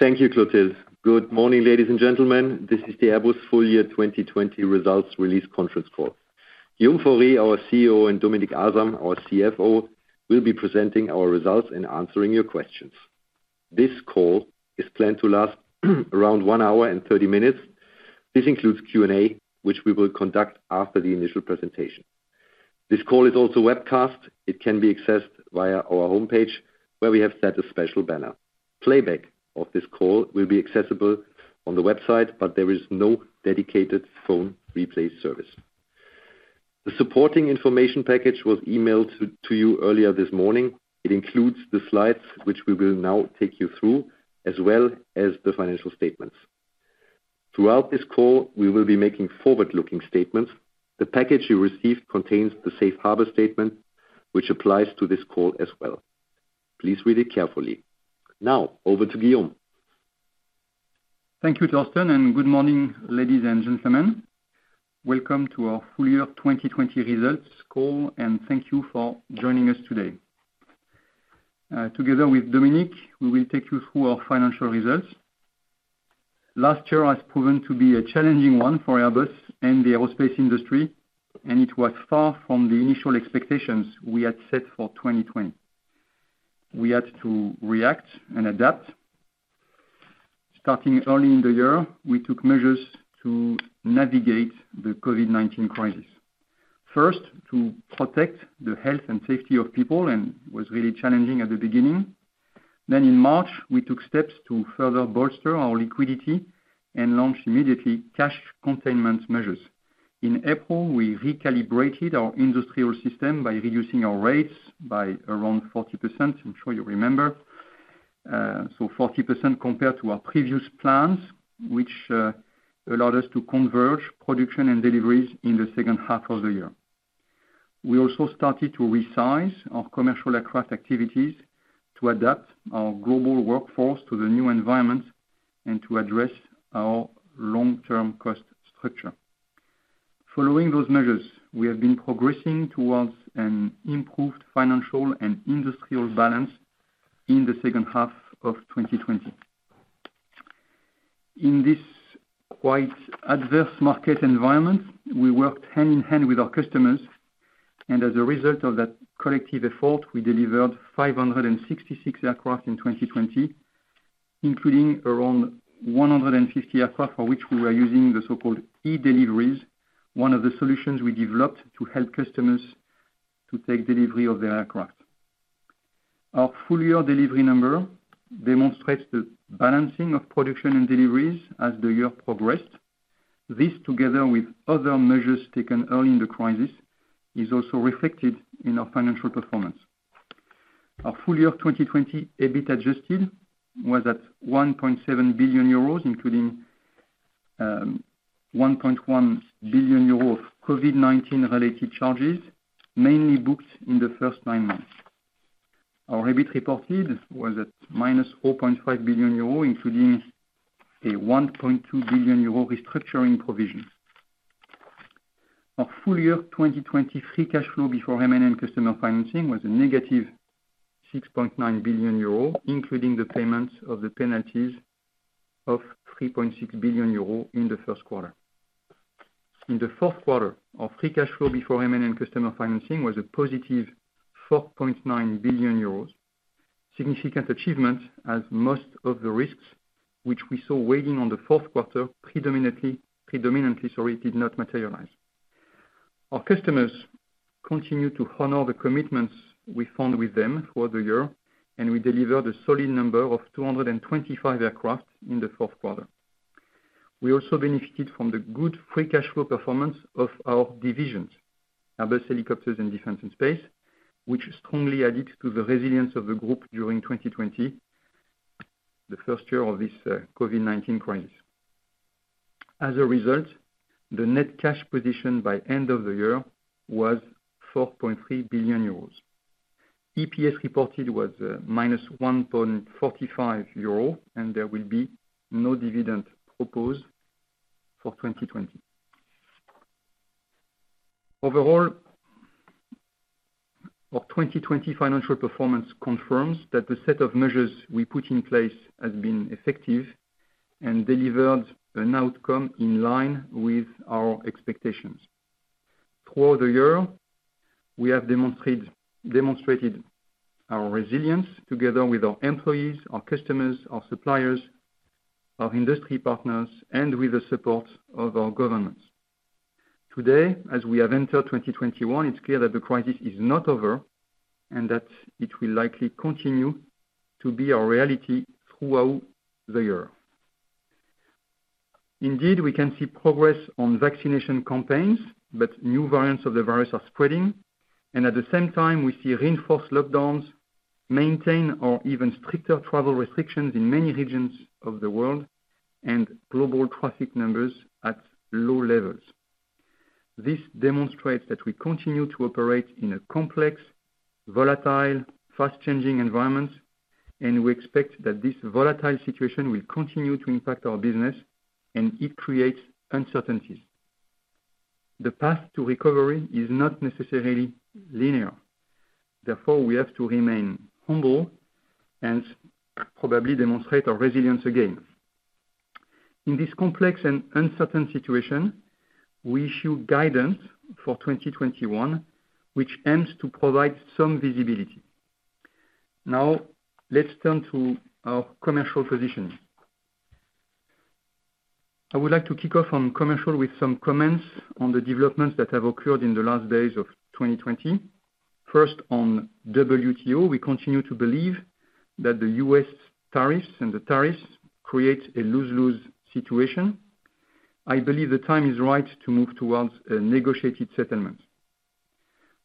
Thank you, Clotilde. Good morning, ladies and gentlemen. This is the Airbus full-year 2020 results release conference call. Guillaume Faury, our CEO, and Dominik Asam, our CFO, will be presenting our results and answering your questions. This call is planned to last around one hour and 30 minutes. This includes Q&A, which we will conduct after the initial presentation. This call is also webcast. It can be accessed via our homepage, where we have set a special banner. Playback of this call will be accessible on the website, but there is no dedicated phone replay service. The supporting information package was emailed to you earlier this morning. It includes the slides, which we will now take you through, as well as the financial statements. Throughout this call, we will be making forward-looking statements. The package you received contains the safe harbor statement, which applies to this call as well. Please read it carefully. Now, over to Guillaume. Thank you, Thorsten, and good morning, ladies and gentlemen. Welcome to our full-year 2020 results call, and thank you for joining us today. Together with Dominik, we will take you through our financial results. Last year has proven to be a challenging one for Airbus and the aerospace industry, and it was far from the initial expectations we had set for 2020. We had to react and adapt. Starting early in the year, we took measures to navigate the COVID-19 crisis. First, to protect the health and safety of people, and it was really challenging at the beginning. In March, we took steps to further bolster our liquidity and launch immediately cash containment measures. In April, we recalibrated our industrial system by reducing our rates by around 40%, I'm sure you remember. 40% compared to our previous plans, which allowed us to converge production and deliveries in the second half of the year. We also started to resize our commercial aircraft activities to adapt our global workforce to the new environment and to address our long-term cost structure. Following those measures, we have been progressing towards an improved financial and industrial balance in the second half of 2020. In this quite adverse market environment, we worked hand-in-hand with our customers, and as a result of that collective effort, we delivered 566 aircraft in 2020, including around 150 aircraft for which we were using the so-called e-deliveries, one of the solutions we developed to help customers to take delivery of their aircraft. Our full-year delivery number demonstrates the balancing of production and deliveries as the year progressed. This, together with other measures taken early in the crisis, is also reflected in our financial performance. Our full-year 2020 EBIT adjusted was at 1.7 billion euros, including 1.1 billion euros of COVID-19-related charges, mainly booked in the first nine months. Our EBIT reported was at -0.5 billion euro, including a 1.2 billion euro restructuring provision. Our full-year 2020 free cash flow before M&A customer financing was a -6.9 billion euro, including the payments of the penalties of 3.6 billion euro in the first quarter. In the fourth quarter, our free cash flow before M&A customer financing was a +4.9 billion euros, a significant achievement as most of the risks which we saw weighing on the fourth quarter predominantly did not materialize. We delivered a solid number of 225 aircraft in the fourth quarter. We also benefited from the good free cash flow performance of our divisions, Airbus Helicopters and Defence & Space, which strongly added to the resilience of the group during 2020, the first year of this COVID-19 crisis. As a result, the net cash position by end of the year was 4.3 billion euros. EPS reported was -1.45 euro. There will be no dividend proposed for 2020. Overall, our 2020 financial performance confirms that the set of measures we put in place has been effective and delivered an outcome in line with our expectations. Throughout the year, we have demonstrated our resilience together with our employees, our customers, our suppliers, our industry partners, and with the support of our governments. Today, as we have entered 2021, it's clear that the crisis is not over and that it will likely continue to be a reality throughout the year. Indeed, we can see progress on vaccination campaigns, but new variants of the virus are spreading. At the same time, we see reinforced lockdowns maintain or even stricter travel restrictions in many regions of the world and global traffic numbers at low levels. This demonstrates that we continue to operate in a complex, volatile, fast-changing environment, and we expect that this volatile situation will continue to impact our business and it creates uncertainties. The path to recovery is not necessarily linear. Therefore, we have to remain humble and probably demonstrate our resilience again. In this complex and uncertain situation, we issue guidance for 2021, which aims to provide some visibility. Now, let's turn to our commercial position. I would like to kick off on commercial with some comments on the developments that have occurred in the last days of 2020. First, on WTO, we continue to believe that the US tariffs and the tariffs create a lose-lose situation. I believe the time is right to move towards a negotiated settlement.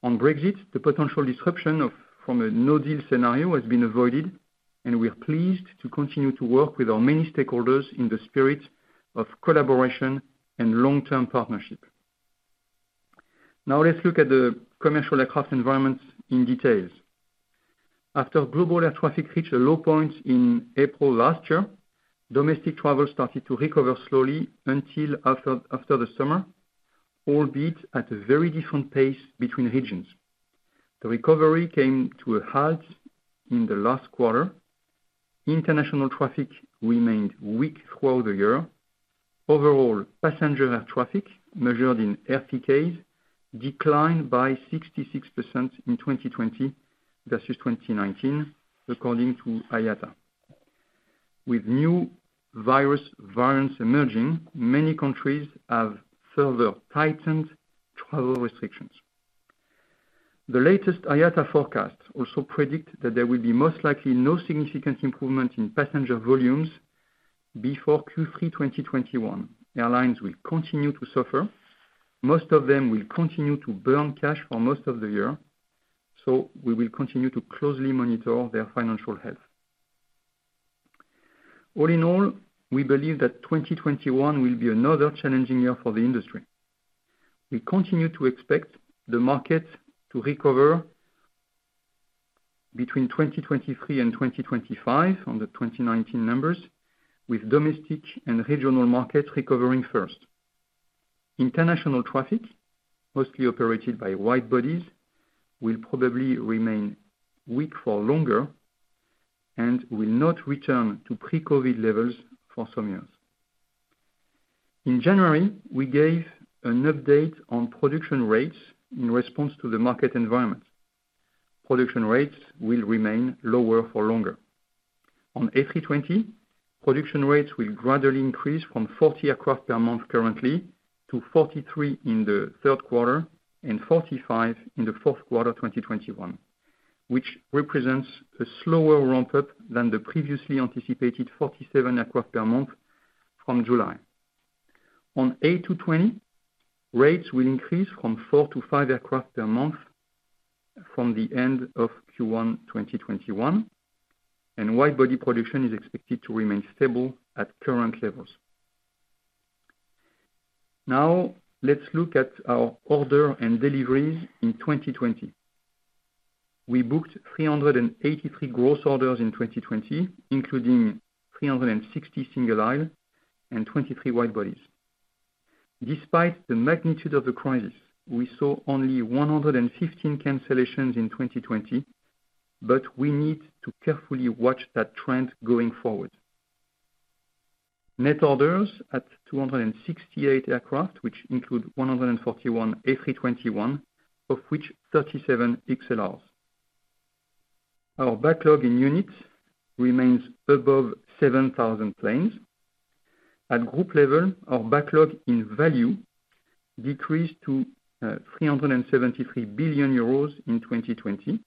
On Brexit, the potential disruption from a no-deal scenario has been avoided, and we are pleased to continue to work with our many stakeholders in the spirit of collaboration and long-term partnership. Let's look at the commercial aircraft environment in detail. After global air traffic reached a low point in April last year, domestic travel started to recover slowly until after the summer, albeit at a very different pace between regions. The recovery came to a halt in the last quarter. International traffic remained weak throughout the year. Overall, passenger air traffic, measured in RPKs, declined by 66% in 2020 versus 2019, according to IATA. With new virus variants emerging, many countries have further tightened travel restrictions. The latest IATA forecast also predict that there will be most likely no significant improvement in passenger volumes before Q3 2021. Airlines will continue to suffer. Most of them will continue to burn cash for most of the year. We will continue to closely monitor their financial health. All in all, we believe that 2021 will be another challenging year for the industry. We continue to expect the market to recover between 2023 and 2025 on the 2019 numbers, with domestic and regional markets recovering first. International traffic, mostly operated by wide-bodies, will probably remain weak for longer and will not return to pre-COVID levels for some years. In January, we gave an update on production rates in response to the market environment. Production rates will remain lower for longer. On A320, production rates will gradually increase from 40 aircraft per month currently to 43 in the third quarter and 45 in the fourth quarter 2021, which represents a slower ramp-up than the previously anticipated 47 aircraft per month from July. On A220, rates will increase from four to five aircraft per month from the end of Q1 2021, wide-body production is expected to remain stable at current levels. Let's look at our order and deliveries in 2020. We booked 383 gross orders in 2020, including 360 single-aisle and 23 wide-bodies. Despite the magnitude of the crisis, we saw only 115 cancellations in 2020, we need to carefully watch that trend going forward. Net orders at 268 aircraft, which include 141 A321, of which 37 XLRs. Our backlog in units remains above 7,000 planes. At group level, our backlog in value decreased to 373 billion euros in 2020.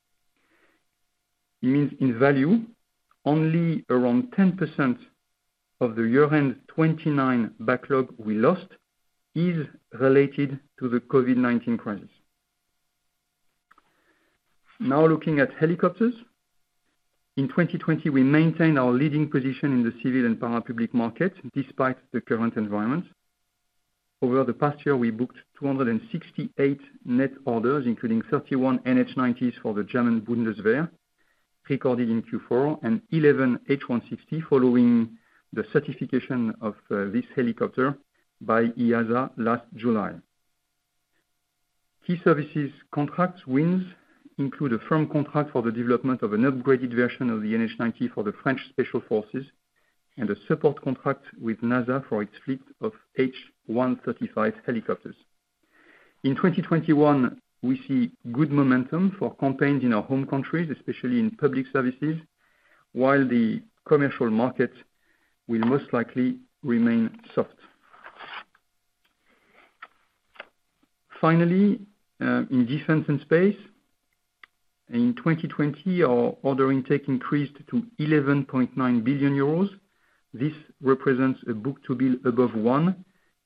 It means in value, only around 10% of the year-end 2029 backlog we lost is related to the COVID-19 crisis. Looking at helicopters. In 2020, we maintained our leading position in the civil and parapublic market despite the current environment. Over the past year, we booked 268 net orders, including 31 NH90s for the German Bundeswehr, recorded in Q4, and 11 H160 following the certification of this helicopter by EASA last July. Key services contracts wins include a firm contract for the development of an upgraded version of the NH90 for the French Special Forces and a support contract with NASA for its fleet of H135 helicopters. In 2021, we see good momentum for campaigns in our home countries, especially in public services, while the commercial market will most likely remain soft. In Defence and Space, in 2020, our order intake increased to 11.9 billion euros. This represents a book-to-bill above one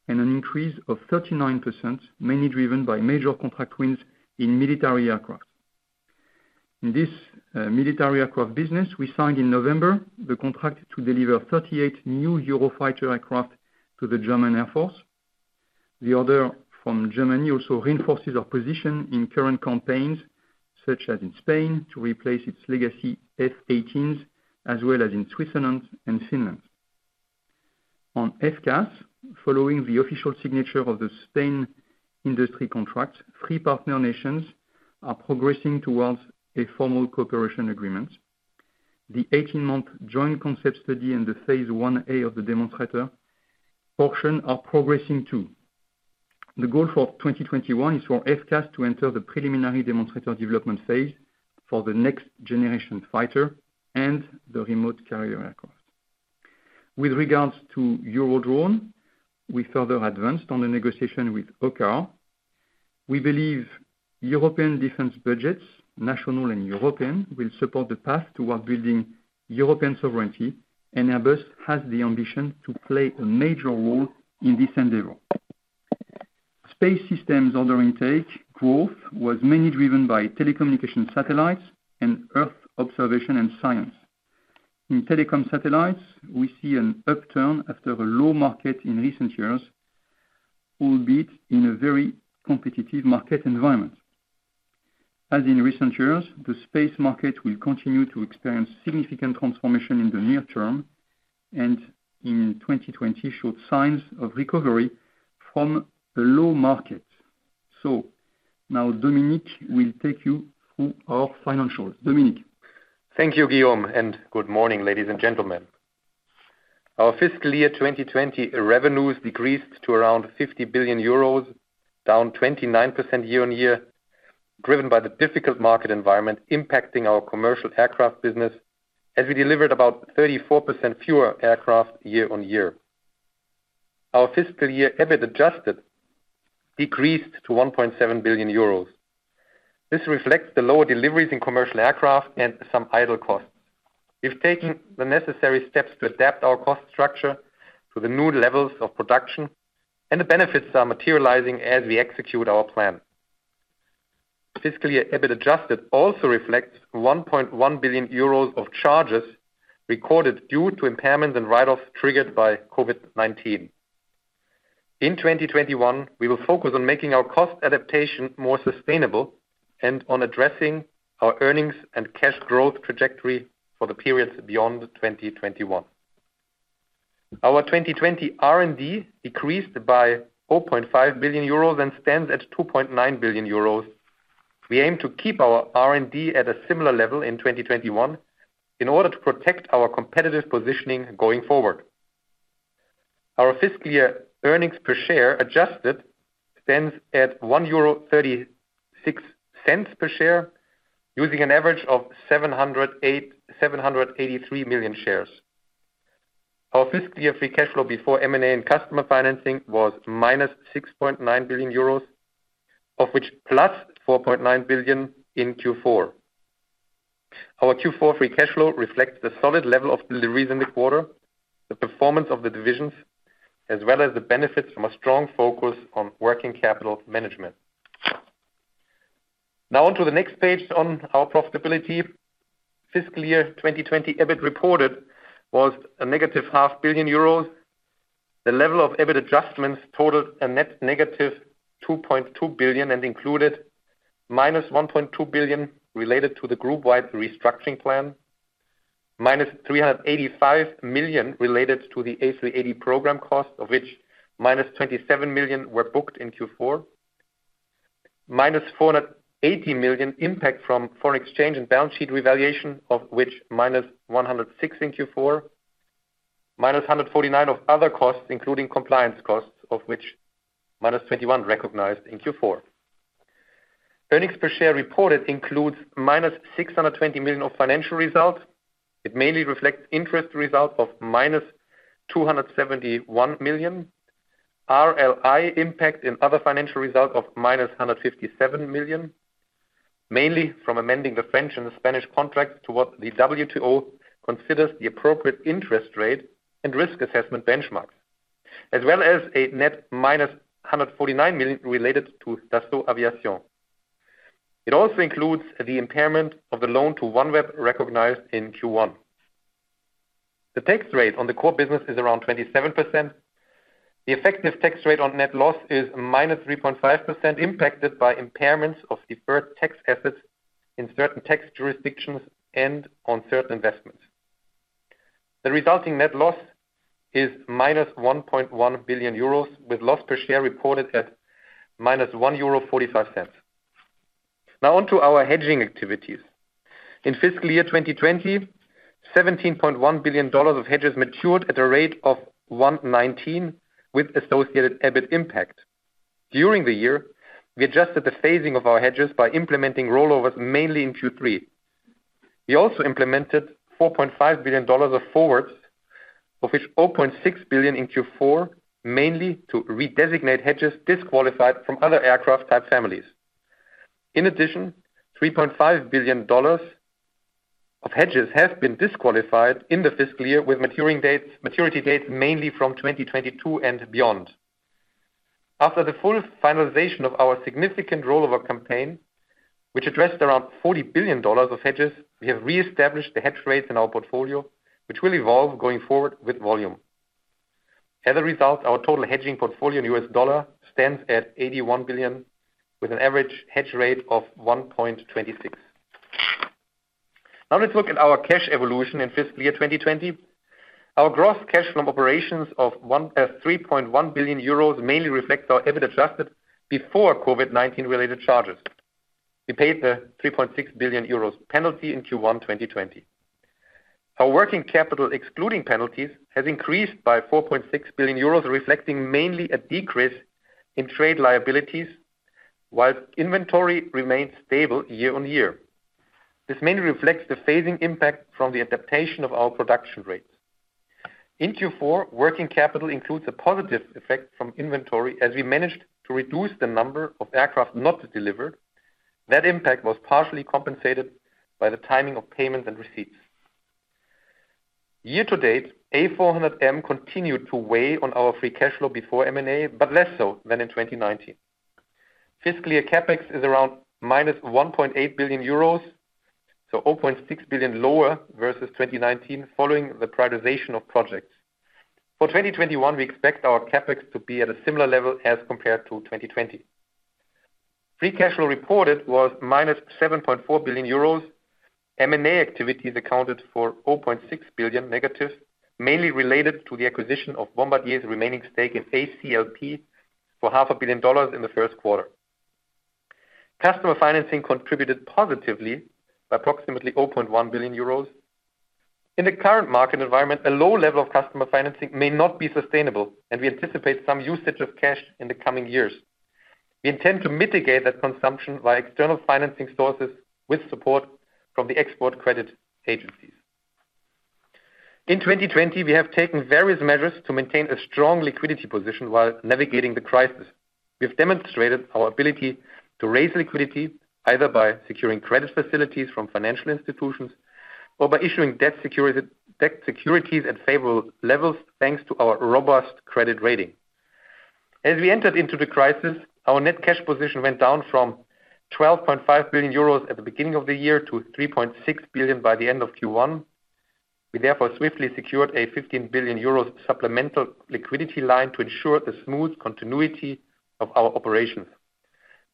and an increase of 39%, mainly driven by major contract wins in military aircraft. In this military aircraft business, we signed in November the contract to deliver 38 new Eurofighter aircraft to the German Air Force. The order from Germany also reinforces our position in current campaigns, such as in Spain, to replace its legacy F-18s, as well as in Switzerland and Finland. On FCAS, following the official signature of the Spain industry contract, three partner nations are progressing towards a formal cooperation agreement. The 18-month joint concept study in the phase 1A of the demonstrator portion are progressing, too. The goal for 2021 is for FCAS to enter the preliminary demonstrator development phase for the next generation fighter and the remote carrier aircraft. With regards to Eurodrone, we further advanced on the negotiation with OCCAR. We believe European defense budgets, national and European, will support the path toward building European sovereignty, and Airbus has the ambition to play a major role in this endeavor. Space systems order intake growth was mainly driven by telecommunication satellites and Earth observation and science. In telecom satellites, we see an upturn after a low market in recent years, albeit in a very competitive market environment. As in recent years, the space market will continue to experience significant transformation in the near term, and in 2020, showed signs of recovery from a low market. Now Dominik will take you through our financials. Dominik? Thank you, Guillaume, and good morning, ladies and gentlemen. Our fiscal year 2020 revenues decreased to around 50 billion euros, down 29% year-on-year, driven by the difficult market environment impacting our commercial aircraft business, as we delivered about 34% fewer aircraft year-on-year. Our fiscal year EBIT adjusted decreased to 1.7 billion euros. This reflects the lower deliveries in commercial aircraft and some idle costs. We've taken the necessary steps to adapt our cost structure to the new levels of production, and the benefits are materializing as we execute our plan. Fiscal year EBIT adjusted also reflects 1.1 billion euros of charges recorded due to impairments and write-offs triggered by COVID-19. In 2021, we will focus on making our cost adaptation more sustainable, and on addressing our earnings and cash growth trajectory for the periods beyond 2021. Our 2020 R&D decreased by 0.5 billion euros and stands at 2.9 billion euros. We aim to keep our R&D at a similar level in 2021 in order to protect our competitive positioning going forward. Our fiscal year earnings per share adjusted stands at 1.36 euro per share, using an average of 783 million shares. Our fiscal year free cash flow before M&A and customer financing was -6.9 billion euros, of which +4.9 billion in Q4. Our Q4 free cash flow reflects the solid level of deliveries in the quarter, the performance of the divisions, as well as the benefits from a strong focus on working capital management. On to the next page on our profitability. Fiscal year 2020 EBIT reported was a -500 million euros. The level of EBIT adjustments totaled a net -2.2 billion and included -1.2 billion related to the group-wide restructuring plan, -385 million related to the A380 program cost, of which -27 million were booked in Q4, -480 million impact from foreign exchange and balance sheet revaluation, of which -106 in Q4, -149 of other costs, including compliance costs, of which -21 recognized in Q4. Earnings per share reported includes -620 million of financial results. It mainly reflects interest results of -271 million, RLI impact and other financial results of -157 million, mainly from amending the French and the Spanish contracts to what the WTO considers the appropriate interest rate and risk assessment benchmarks, as well as a net -149 million related to Dassault Aviation. It also includes the impairment of the loan to OneWeb recognized in Q1. The tax rate on the core business is around 27%. The effective tax rate on net loss is -3.5%, impacted by impairments of deferred tax assets in certain tax jurisdictions and on certain investments. The resulting net loss is -1.1 billion euros, with loss per share reported at -1.45 euro. On to our hedging activities. In FY 2020, $17.1 billion of hedges matured at a rate of 1.19 with associated EBIT impact. During the year, we adjusted the phasing of our hedges by implementing rollovers mainly in Q3. We also implemented $4.5 billion of forwards, of which $0.6 billion in Q4, mainly to redesignate hedges disqualified from other aircraft type families. $3.5 billion of hedges have been disqualified in the fiscal year with maturity dates mainly from 2022 and beyond. After the full finalization of our significant rollover campaign, which addressed around EUR 40 billion of hedges, we have reestablished the hedge rates in our portfolio, which will evolve going forward with volume. As a result, our total hedging portfolio in US dollar stands at $81 billion, with an average hedge rate of 1.26. Now let's look at our cash evolution in fiscal year 2020. Our gross cash from operations of 3.1 billion euros mainly reflects our EBIT adjusted before COVID-19 related charges. We paid the 3.6 billion euros penalty in Q1 2020. Our working capital, excluding penalties, has increased by 4.6 billion euros, reflecting mainly a decrease in trade liabilities, while inventory remains stable year-on-year. This mainly reflects the phasing impact from the adaptation of our production rates. In Q4, working capital includes a positive effect from inventory as we managed to reduce the number of aircraft not delivered. That impact was partially compensated by the timing of payments and receipts. Year to date, A400M continued to weigh on our free cash flow before M&A, but less so than in 2019. Fiscal year CapEx is around -1.8 billion euros, so 0.6 billion lower versus 2019 following the prioritization of projects. For 2021, we expect our CapEx to be at a similar level as compared to 2020. Free cash flow reported was -7.4 billion euros. M&A activities accounted for 0.6 billion negative, mainly related to the acquisition of Bombardier's remaining stake in ACLP for EUR 500 million in the first quarter. Customer financing contributed positively by approximately 0.1 billion euros. In the current market environment, a low level of customer financing may not be sustainable, and we anticipate some usage of cash in the coming years. We intend to mitigate that consumption via external financing sources with support from the Export Credit Agencies. In 2020, we have taken various measures to maintain a strong liquidity position while navigating the crisis. We have demonstrated our ability to raise liquidity, either by securing credit facilities from financial institutions or by issuing debt securities at favorable levels, thanks to our robust credit rating. As we entered into the crisis, our net cash position went down from 12.5 billion euros at the beginning of the year to 3.6 billion by the end of Q1. We therefore swiftly secured a 15 billion euros supplemental liquidity line to ensure the smooth continuity of our operations.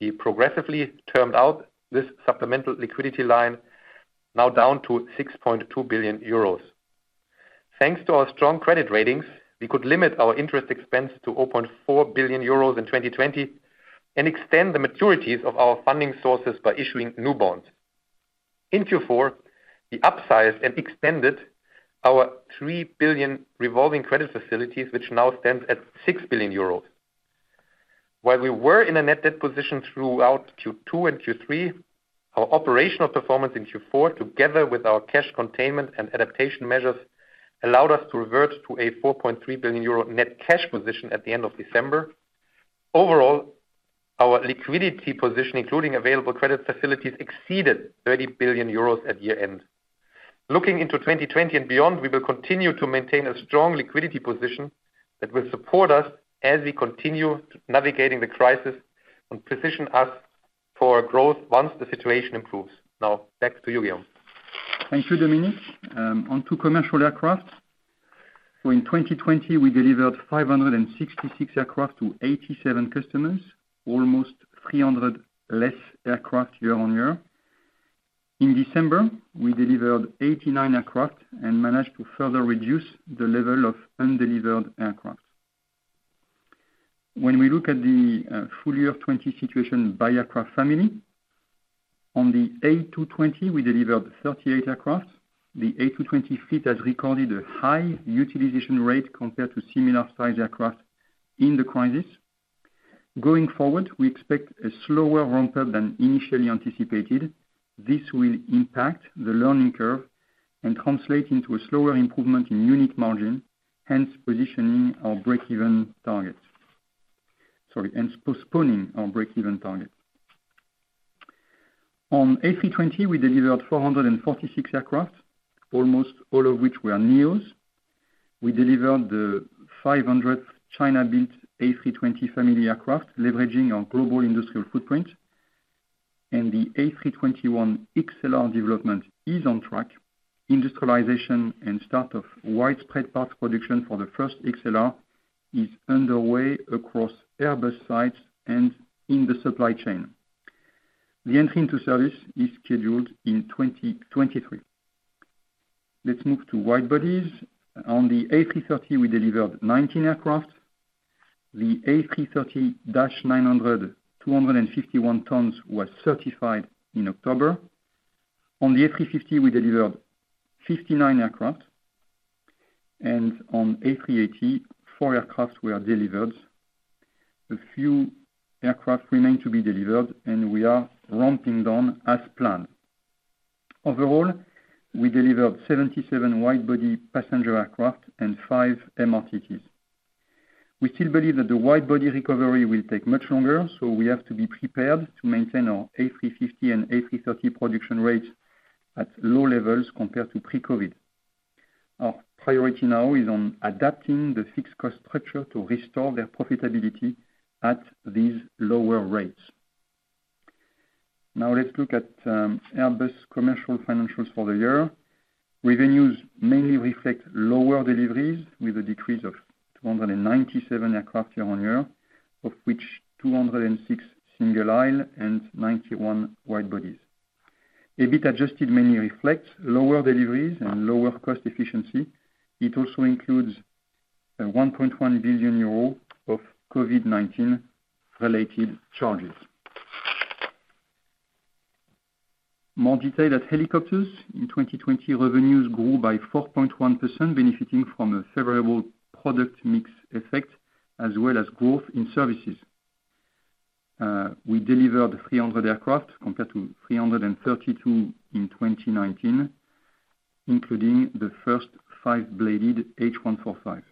We progressively termed out this supplemental liquidity line, now down to 6.2 billion euros. Thanks to our strong credit ratings, we could limit our interest expense to 0.4 billion euros in 2020 and extend the maturities of our funding sources by issuing new bonds. In Q4, we upsized and extended our 3 billion revolving credit facilities, which now stands at 6 billion euros. While we were in a net debt position throughout Q2 and Q3, our operational performance in Q4, together with our cash containment and adaptation measures, allowed us to revert to a 4.3 billion euro net cash position at the end of December. Overall, our liquidity position, including available credit facilities, exceeded 30 billion euros at year-end. Looking into 2020 and beyond, we will continue to maintain a strong liquidity position that will support us as we continue navigating the crisis and position us for growth once the situation improves. Now, back to you, Guillaume. Thank you, Dominik. On to commercial aircraft. In 2020, we delivered 566 aircraft to 87 customers, almost 300 less aircraft year-on-year. In December, we delivered 89 aircraft and managed to further reduce the level of undelivered aircraft. When we look at the full year 2020 situation by aircraft family, on the A220, we delivered 38 aircraft. The A220 fleet has recorded a high utilization rate compared to similar size aircraft in the crisis. Going forward, we expect a slower ramp up than initially anticipated. This will impact the learning curve and translate into a slower improvement in unit margin, hence positioning our breakeven target. Sorry, hence postponing our breakeven target. On A320, we delivered 446 aircraft, almost all of which were neos. We delivered the 500th China-built A320 family aircraft, leveraging our global industrial footprint, and the A321XLR development is on track. Industrialization and start of widespread parts production for the first A321XLR is underway across Airbus sites and in the supply chain. The entry into service is scheduled in 2023. Let's move to wide bodies. On the A330, we delivered 19 aircraft. The A330-900 251 tons was certified in October. On the A350, we delivered 59 aircraft, and on A380, four aircraft were delivered. A few aircraft remain to be delivered, and we are ramping down as planned. Overall, we delivered 77 wide-body passenger aircraft and five MRTTs. We still believe that the wide-body recovery will take much longer, so we have to be prepared to maintain our A350 and A330 production rates at low levels compared to pre-COVID. Our priority now is on adapting the fixed cost structure to restore their profitability at these lower rates. Let's look at Airbus commercial financials for the year. Revenues mainly reflect lower deliveries with a decrease of 297 aircraft year on year, of which 206 single aisle and 91 wide bodies. EBIT adjusted mainly reflects lower deliveries and lower cost efficiency. It also includes a 1.1 billion euro of COVID-19 related charges. More detail at Helicopters. In 2020, revenues grew by 4.1%, benefiting from a favorable product mix effect, as well as growth in services. We delivered 300 aircraft compared to 332 in 2019, including the first five-bladed H145.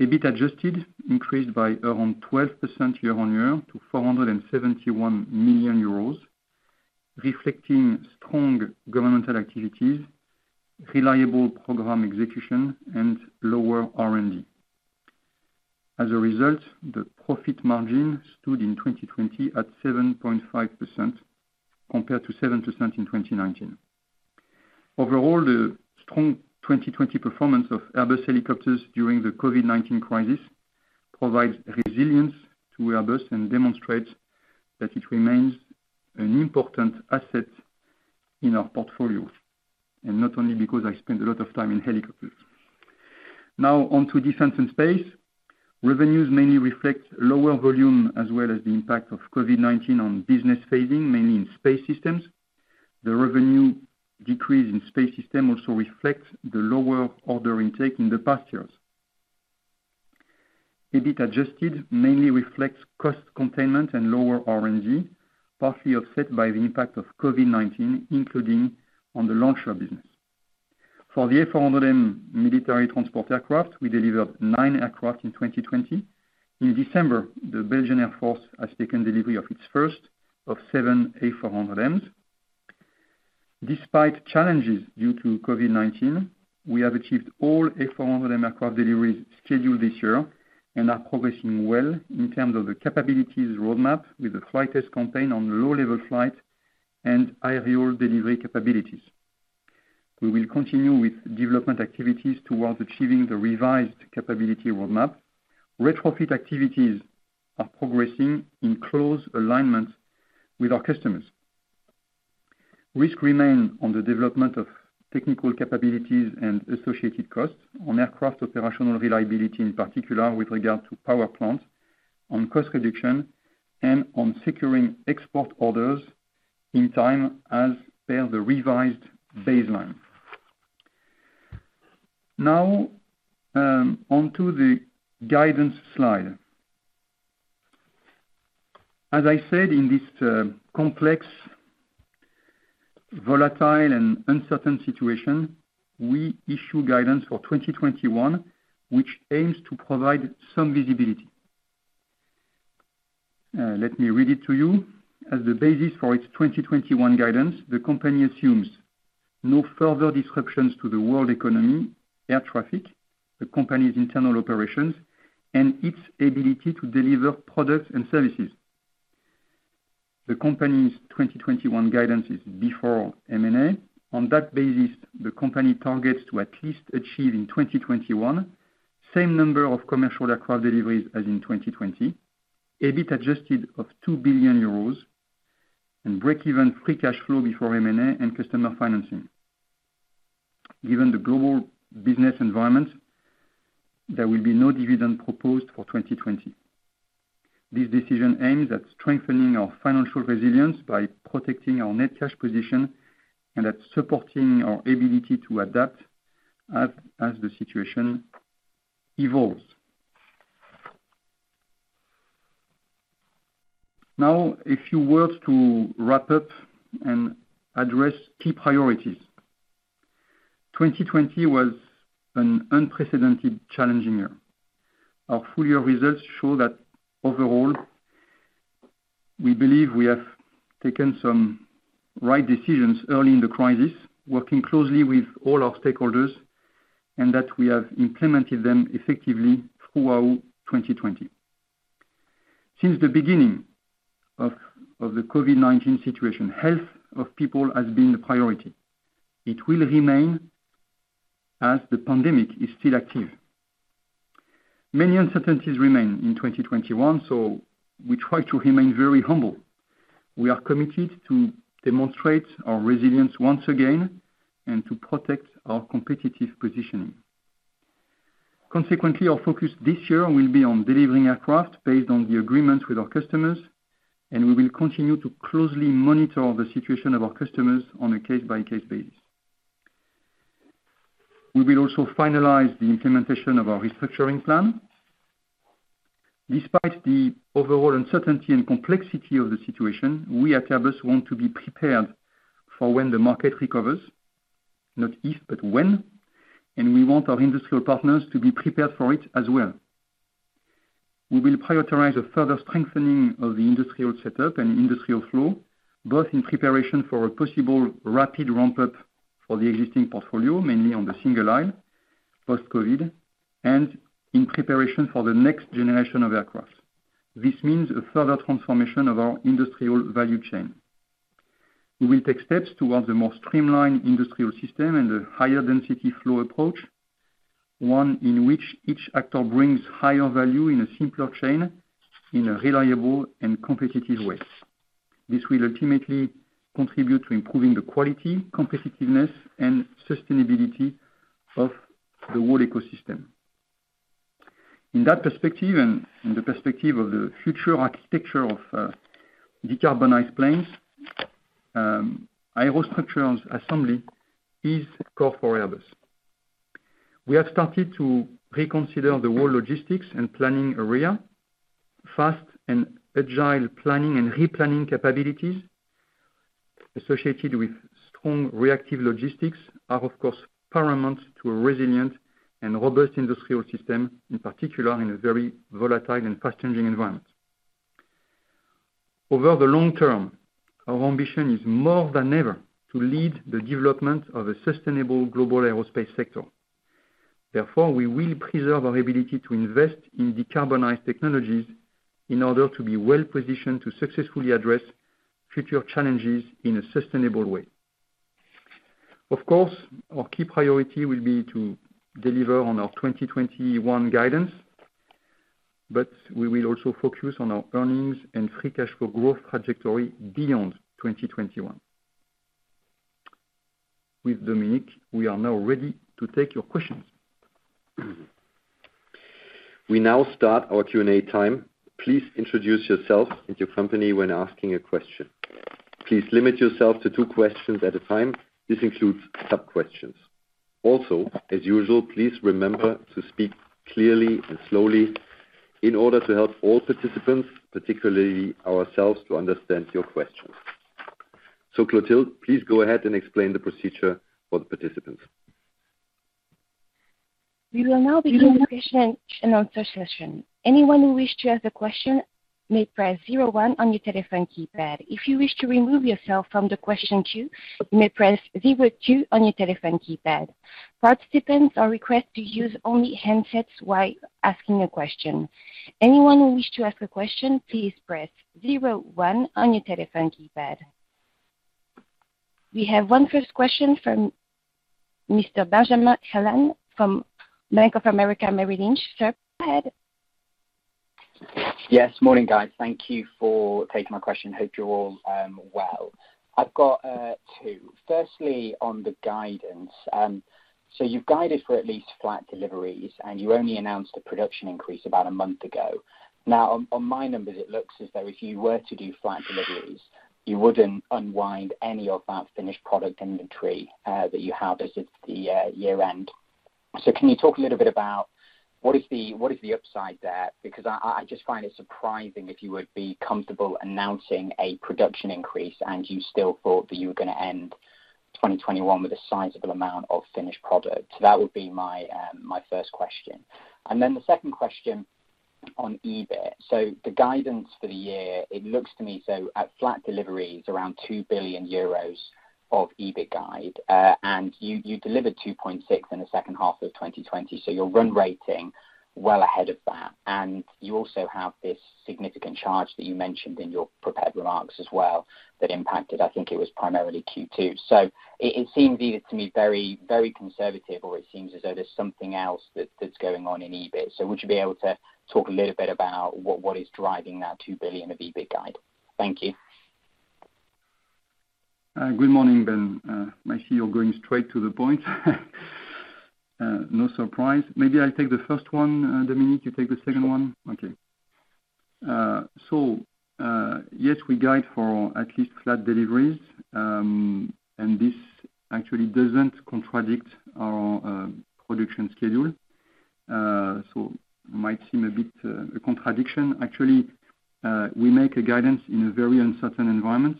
EBIT adjusted increased by around 12% year on year to 471 million euros, reflecting strong governmental activities, reliable program execution, and lower R&D. As a result, the profit margin stood in 2020 at 7.5% compared to 7% in 2019. Overall, the strong 2020 performance of Airbus Helicopters during the COVID-19 crisis provides resilience to Airbus and demonstrates that it remains an important asset in our portfolio, and not only because I spend a lot of time in helicopters. Now on to Defence and Space. Revenues mainly reflect lower volume as well as the impact of COVID-19 on business phasing, mainly in Space Systems. The revenue decrease in Space Systems also reflects the lower order intake in the past years. EBIT adjusted mainly reflects cost containment and lower R&D, partially offset by the impact of COVID-19, including on the launcher business. For the A400M military transport aircraft, we delivered nine aircraft in 2020. In December, the Belgian Air Force has taken delivery of its first of seven A400Ms. Despite challenges due to COVID-19, we have achieved all A400M aircraft deliveries scheduled this year and are progressing well in terms of the capabilities roadmap with the flight test campaign on low-level flight and aerial delivery capabilities. We will continue with development activities towards achieving the revised capability roadmap. Retrofit activities are progressing in close alignment with our customers. Risk remain on the development of technical capabilities and associated costs on aircraft operational reliability, in particular with regard to power plants, on cost reduction, and on securing export orders in time as per the revised baseline. Onto the guidance slide. As I said, in this complex, volatile, and uncertain situation, we issue guidance for 2021, which aims to provide some visibility. Let me read it to you. As the basis for its 2021 guidance, the company assumes no further disruptions to the world economy, air traffic, the company's internal operations, and its ability to deliver products and services. The company's 2021 guidance is before M&A. On that basis, the company targets to at least achieve in 2021, same number of commercial aircraft deliveries as in 2020, EBIT adjusted of 2 billion euros, and break even free cash flow before M&A and customer financing. Given the global business environment, there will be no dividend proposed for 2020. This decision aims at strengthening our financial resilience by protecting our net cash position and at supporting our ability to adapt as the situation evolves. Now, a few words to wrap up and address key priorities. 2020 was an unprecedented challenging year. Our full-year results show that overall, we believe we have taken some right decisions early in the crisis, working closely with all our stakeholders, and that we have implemented them effectively throughout 2020. Since the beginning of the COVID-19 situation, health of people has been the priority. It will remain as the pandemic is still active. Many uncertainties remain in 2021, so we try to remain very humble. We are committed to demonstrate our resilience once again and to protect our competitive positioning. Consequently, our focus this year will be on delivering aircraft based on the agreements with our customers, and we will continue to closely monitor the situation of our customers on a case-by-case basis. We will also finalize the implementation of our restructuring plan. Despite the overall uncertainty and complexity of the situation, we at Airbus want to be prepared for when the market recovers. Not if, but when. We want our industrial partners to be prepared for it as well. We will prioritize a further strengthening of the industrial setup and industrial flow, both in preparation for a possible rapid ramp-up for the existing portfolio, mainly on the single aisle post-COVID, and in preparation for the next generation of aircraft. This means a further transformation of our industrial value chain. We will take steps towards a more streamlined industrial system and a higher density flow approach, one in which each actor brings higher value in a simpler chain in a reliable and competitive way. This will ultimately contribute to improving the quality, competitiveness, and sustainability of the whole ecosystem. In that perspective and in the perspective of the future architecture of decarbonized planes, aerostructures assembly is core for Airbus. We have started to reconsider the whole logistics and planning area. Fast and agile planning and re-planning capabilities associated with strong reactive logistics are, of course, paramount to a resilient and robust industrial system, in particular in a very volatile and fast-changing environment. Over the long term, our ambition is more than ever to lead the development of a sustainable global aerospace sector. Therefore, we will preserve our ability to invest in decarbonized technologies in order to be well-positioned to successfully address future challenges in a sustainable way. Of course, our key priority will be to deliver on our 2021 guidance, but we will also focus on our earnings and free cash flow growth trajectory beyond 2021. With Dominik, we are now ready to take your questions. We now start our Q&A time. Please introduce yourself and your company when asking a question. Please limit yourself to two questions at a time. This includes sub-questions. As usual, please remember to speak clearly and slowly in order to help all participants, particularly ourselves, to understand your questions. Clotilde, please go ahead and explain the procedure for the participants. We will now begin the question and answer session. We have one first question from Mr. Benjamin Heelan from Bank of America, Merrill Lynch. Sir, go ahead. Yes. Morning, guys. Thank you for taking my question. Hope you're all well. I've got two. Firstly, on the guidance. You've guided for at least flat deliveries, and you only announced a production increase about a month ago. On my numbers, it looks as though if you were to do flat deliveries, you wouldn't unwind any of that finished product inventory that you have as of the year-end. Can you talk a little bit about what is the upside there? I just find it surprising if you would be comfortable announcing a production increase, and you still thought that you were going to end 2021 with a sizable amount of finished product. That would be my first question. The second question on EBIT. The guidance for the year, it looks to me, at flat deliveries, around 2 billion euros of EBIT guide. You delivered 2.6 billion in the second half of 2020, so you're run rating well ahead of that. You also have this significant charge that you mentioned in your prepared remarks as well that impacted, I think it was primarily Q2. It seems either to me very conservative, or it seems as though there's something else that's going on in EBIT. Would you be able to talk a little bit about what is driving that 2 billion of EBIT guide? Thank you. Good morning, Ben. I see you're going straight to the point. No surprise. Maybe I take the first one, Dominik, you take the second one? Okay. Yes, we guide for at least flat deliveries, and this actually doesn't contradict our production schedule. It might seem a bit a contradiction. Actually, we make a guidance in a very uncertain environment.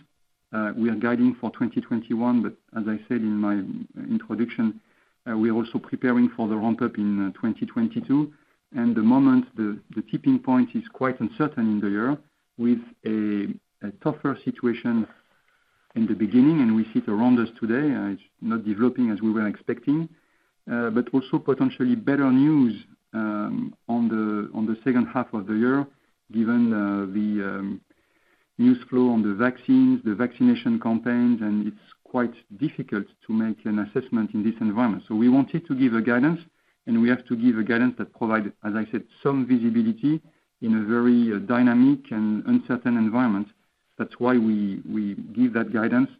We are guiding for 2021, but as I said in my introduction, we are also preparing for the ramp-up in 2022. The moment, the tipping point is quite uncertain in the year with a tougher situation in the beginning, and we see it around us today. It's not developing as we were expecting. Also potentially better news on the second half of the year, given the news flow on the vaccines, the vaccination campaigns, and it's quite difficult to make an assessment in this environment. We wanted to give a guidance, and we have to give a guidance that provide, as I said, some visibility in a very dynamic and uncertain environment. That's why we give that guidance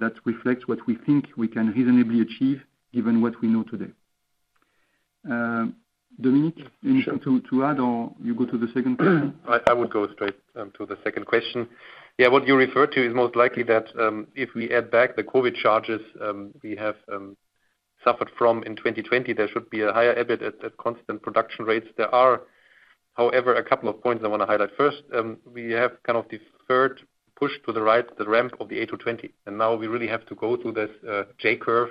that reflects what we think we can reasonably achieve given what we know today. Dominik, anything to add, or you go to the second question? I would go straight to the second question. Yeah, what you refer to is most likely that if we add back the COVID charges we have suffered from in 2020, there should be a higher EBIT at constant production rates. There are, however, a couple of points I want to highlight. First, we have kind of deferred push to the right the ramp of the A220, and now we really have to go through this J-curve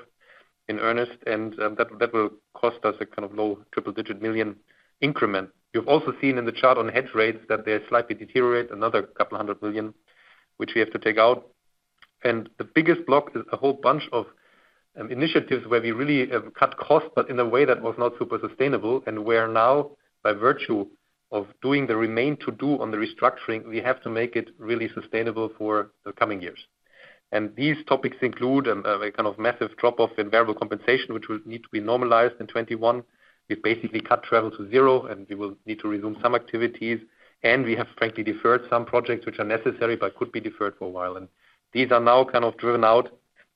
in earnest, and that will cost us a low triple-digit million increment. You've also seen in the chart on hedge rates that they slightly deteriorate another couple of hundred million, which we have to take out. The biggest block is a whole bunch of initiatives where we really have cut costs, but in a way that was not super sustainable, and where now, by virtue of doing the remain to do on the restructuring, we have to make it really sustainable for the coming years. These topics include a kind of massive drop-off in variable compensation, which will need to be normalized in 2021. We've basically cut travel to zero, and we will need to resume some activities. We have frankly deferred some projects which are necessary but could be deferred for a while. These are now kind of driven out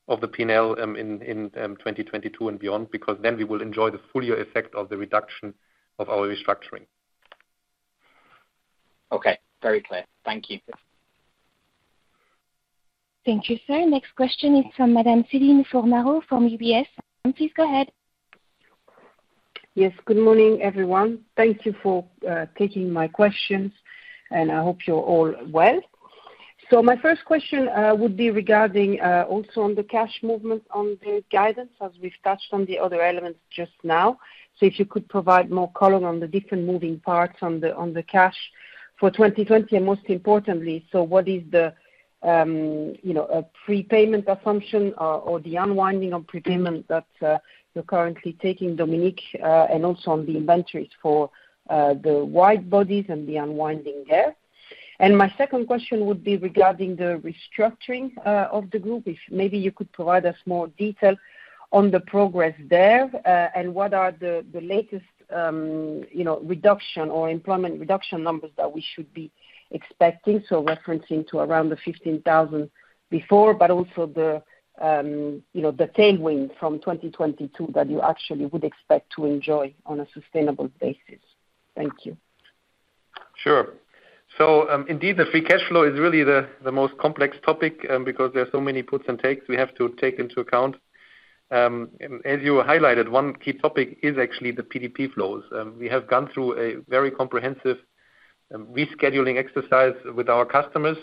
of the P&L in 2022 and beyond, because then we will enjoy the full year effect of the reduction of our restructuring. Okay. Very clear. Thank you. Thank you, Sir. Next question is from Madame Céline Fornaro from UBS. Please go ahead. Good morning, everyone. Thank you for taking my questions. I hope you're all well. My first question would be regarding also on the cash movement on the guidance, as we've touched on the other elements just now. If you could provide more color on the different moving parts on the cash for 2020, and most importantly, what is the prepayment assumption or the unwinding of prepayment that you're currently taking, Dominik, and also on the inventories for the wide bodies and the unwinding there? My second question would be regarding the restructuring of the group. If maybe you could provide us more detail on the progress there, and what are the latest reduction or employment reduction numbers that we should be expecting? Referencing to around the 15,000 before, but also the tailwind from 2022 that you actually would expect to enjoy on a sustainable basis. Thank you. Sure. Indeed, the free cash flow is really the most complex topic because there are so many puts and takes we have to take into account. As you highlighted, one key topic is actually the PDP flows. We have gone through a very comprehensive rescheduling exercise with our customers.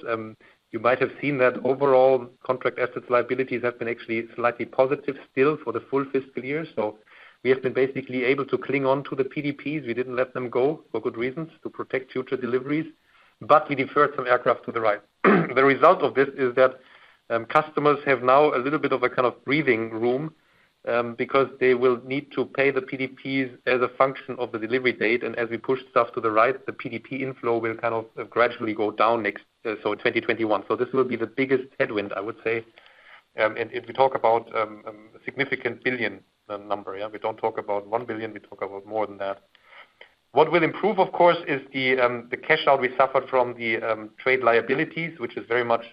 You might have seen that overall contract assets liabilities have been actually slightly positive still for the full fiscal year. We have been basically able to cling on to the PDPs. We didn't let them go for good reasons, to protect future deliveries. We deferred some aircraft to the right. The result of this is that customers have now a little bit of a kind of breathing room because they will need to pay the PDPs as a function of the delivery date, and as we push stuff to the right, the PDP inflow will kind of gradually go down, so 2021. This will be the biggest headwind, I would say. If we talk about a significant billion number, yeah? We don't talk about 1 billion, we talk about more than that. What will improve, of course, is the cash out we suffered from the trade liabilities, which is very much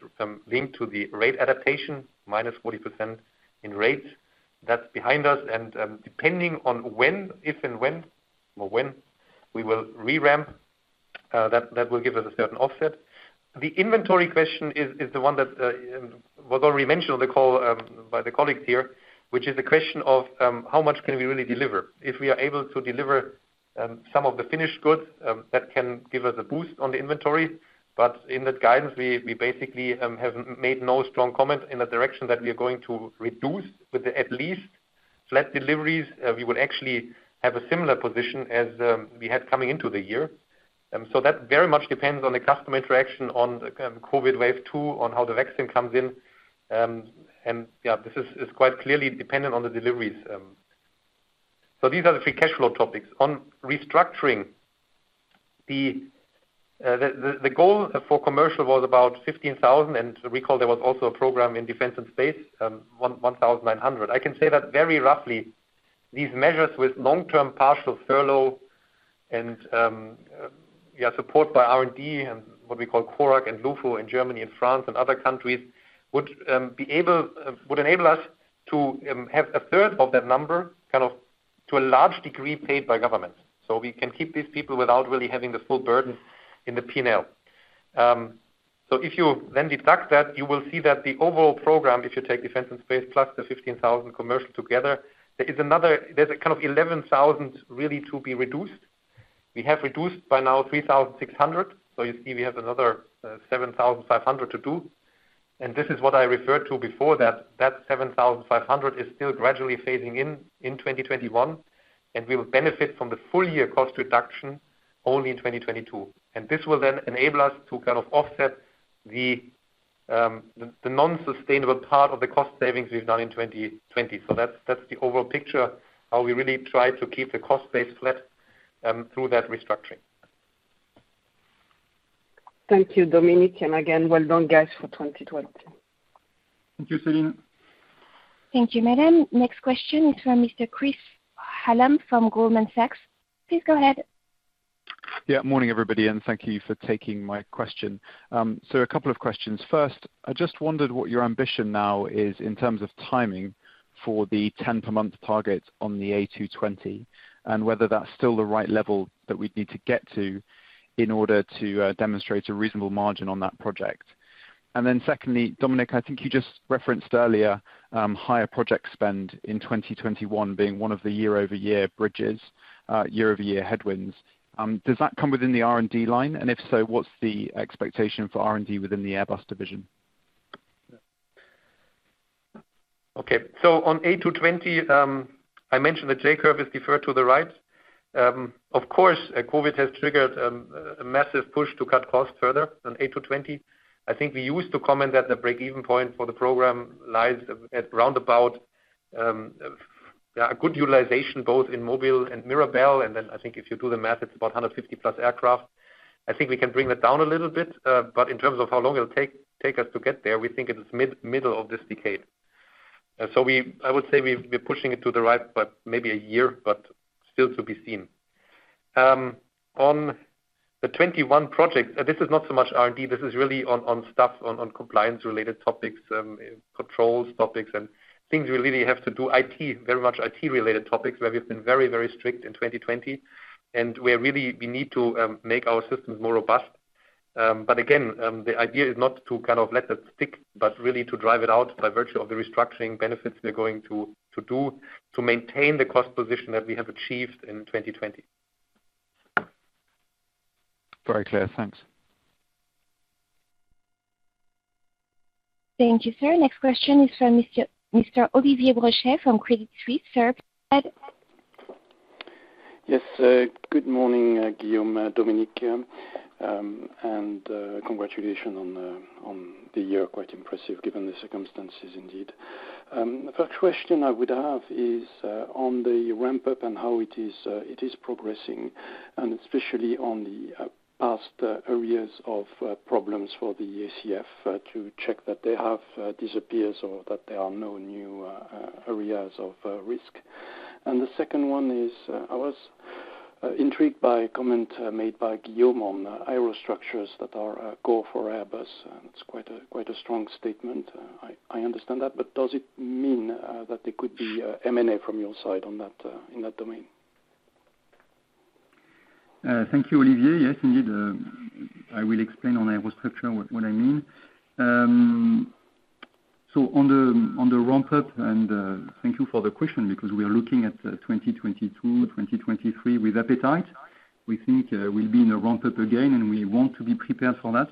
linked to the rate adaptation, -40% in rate. That's behind us, and depending on if and when, or when, we will re-ramp, that will give us a certain offset. The inventory question is the one that was already mentioned on the call by the colleagues here, which is the question of how much can we really deliver? If we are able to deliver some of the finished goods, that can give us a boost on the inventory. In that guidance, we basically have made no strong comment in the direction that we are going to reduce with the at least flat deliveries. We would actually have a similar position as we had coming into the year. That very much depends on the customer interaction on the COVID wave two, on how the vaccine comes in. This is quite clearly dependent on the deliveries. These are the three cash flow topics. On restructuring, the goal for commercial was about 15,000, and recall there was also a program in Defence and Space, 1,900. I can say that very roughly, these measures with long-term partial furlough and support by R&D and what we call CORAC and LuFo in Germany and France and other countries, would enable us to have a 1/3 of that number, kind of to a large degree paid by government. We can keep these people without really having the full burden in the P&L. If you then deduct that, you will see that the overall program, if you take Defence and Space plus the 15,000 commercial together, there's a kind of 11,000 really to be reduced. We have reduced by now 3,600. You see we have another 7,500 to do, and this is what I referred to before, that 7,500 is still gradually phasing in in 2021, and we will benefit from the full year cost reduction only in 2022. This will then enable us to kind of offset the non-sustainable part of the cost savings we've done in 2020. That's the overall picture, how we really try to keep the cost base flat through that restructuring. Thank you, Dominik. Again, well done, guys, for 2020. Thank you, Céline. Thank you, madame. Next question is from Mr. Chris Hallam from Goldman Sachs. Please go ahead. Morning, everybody, and thank you for taking my question. A couple of questions. First, I just wondered what your ambition now is in terms of timing for the 10 per month target on the A220, and whether that's still the right level that we'd need to get to in order to demonstrate a reasonable margin on that project. Secondly, Dominik, I think you just referenced earlier, higher project spend in 2021 being one of the year-over-year bridges, year-over-year headwinds. Does that come within the R&D line? If so, what's the expectation for R&D within the Airbus division? On A220, I mentioned that J-curve is deferred to the right. Of course, COVID-19 has triggered a massive push to cut costs further on A220. I think we used to comment that the break-even point for the program lies at around about a good utilization both in Mobile and Mirabel, and then I think if you do the math, it's about 150 plus aircraft. I think we can bring that down a little bit, but in terms of how long it'll take us to get there, we think it is middle of this decade. I would say we're pushing it to the right, but maybe a year, but still to be seen. On the 2021 project, this is not so much R&D, this is really on stuff on compliance-related topics, controls topics and things we really have to do, very much IT-related topics, where we've been very strict in 2020. We need to make our systems more robust. Again, the idea is not to let that stick, but really to drive it out by virtue of the restructuring benefits we're going to do to maintain the cost position that we have achieved in 2020. Very clear. Thanks. Thank you, sir. Next question is from Mr. Olivier Brochet from Credit Suisse. Sir, go ahead. Yes. Good morning, Guillaume, Dominik, and congratulations on the year. Quite impressive, given the circumstances, indeed. The first question I would have is on the ramp-up and how it is progressing, and especially on the past areas of problems for the ACF to check that they have disappeared or that there are no new areas of risk. The second one is, I was intrigued by a comment made by Guillaume on aerostructures that are core for Airbus, and it's quite a strong statement. I understand that. Does it mean that there could be M&A from your side in that domain? Thank you, Olivier. Yes, indeed. I will explain on aerostructure what I mean. On the ramp-up, and thank you for the question because we are looking at 2022, 2023 with appetite. We think we'll be in a ramp-up again, and we want to be prepared for that.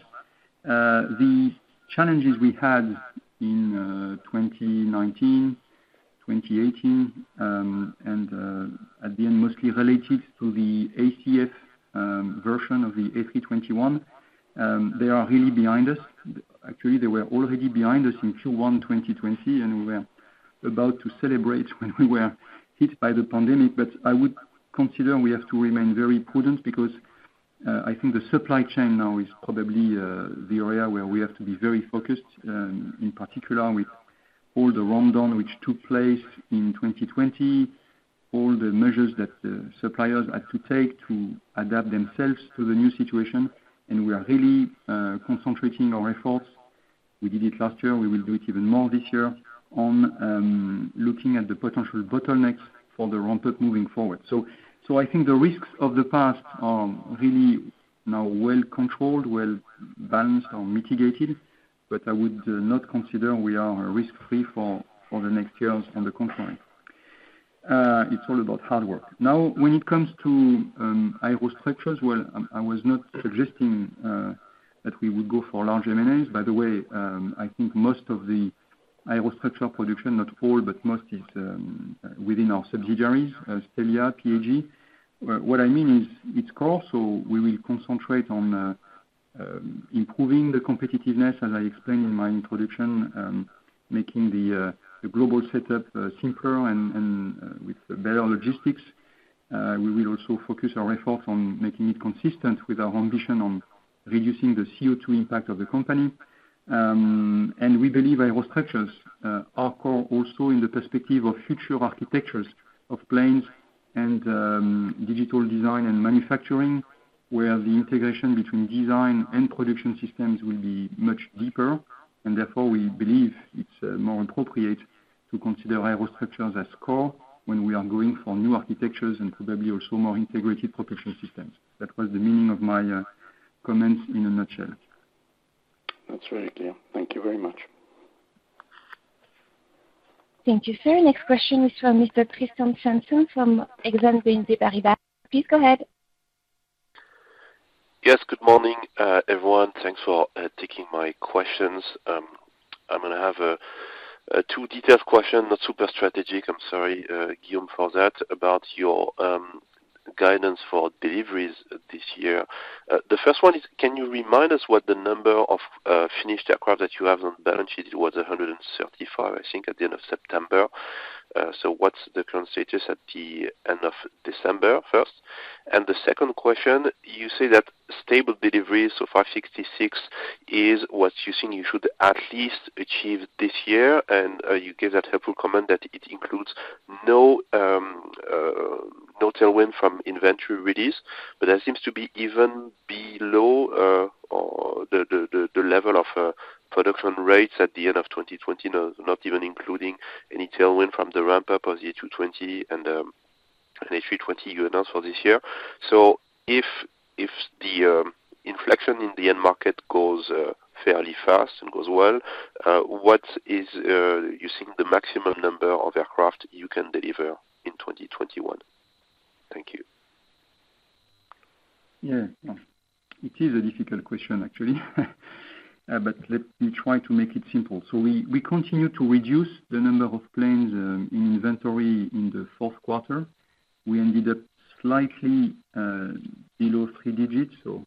The challenges we had in 2019, 2018, and at the end, mostly related to the ACF version of the A321, they are really behind us. Actually, they were already behind us in Q1 2020, and we were about to celebrate when we were hit by the pandemic. I would consider we have to remain very prudent because I think the supply chain now is probably the area where we have to be very focused, in particular with all the rundown which took place in 2020, all the measures that the suppliers had to take to adapt themselves to the new situation, and we are really concentrating our efforts. We did it last year, we will do it even more this year on looking at the potential bottlenecks for the ramp-up moving forward. I think the risks of the past are really now well controlled, well balanced or mitigated, but I would not consider we are risk-free for the next years on the contrary. It's all about hard work. When it comes to aerostructures, well, I was not suggesting that we would go for large M&As. By the way, I think most of the aerostructure production, not all, but most is within our subsidiaries, Stelia, Premium AEROTEC. What I mean is it's core, so we will concentrate on improving the competitiveness, as I explained in my introduction, making the global setup simpler and with better logistics. We will also focus our efforts on making it consistent with our ambition on reducing the CO2 impact of the company. We believe aerostructures are core also in the perspective of future architectures of planes and digital design and manufacturing, where the integration between design and production systems will be much deeper. Therefore, we believe it's more appropriate to consider aerostructures as core when we are going for new architectures and probably also more integrated protection systems. That was the meaning of my comments in a nutshell. That's very clear. Thank you very much. Thank you, sir. Next question is from Mr. Tristan Sanson from Exane BNP Paribas. Please go ahead. Yes, good morning, everyone. Thanks for taking my questions. I'm going to have two detailed questions, not super strategic, I'm sorry, Guillaume, for that, about your guidance for deliveries this year. The first one is, can you remind us what the number of finished aircraft that you have on the balance sheet? It was 135, I think, at the end of September. What's the current status at the end of December, first? The second question, you say that stable deliveries of 566 is what you think you should at least achieve this year, and you gave that helpful comment that it includes no tailwind from inventory release, but that seems to be even below the level of production rates at the end of 2020, not even including any tailwind from the ramp-up of the A220 and the A320 you announced for this year. If the inflection in the end market goes fairly fast and goes well, what is you think the maximum number of aircraft you can deliver in 2021? Thank you. Yeah. It is a difficult question, actually, but let me try to make it simple. We continue to reduce the number of planes in inventory in the fourth quarter. We ended up slightly below three digits, so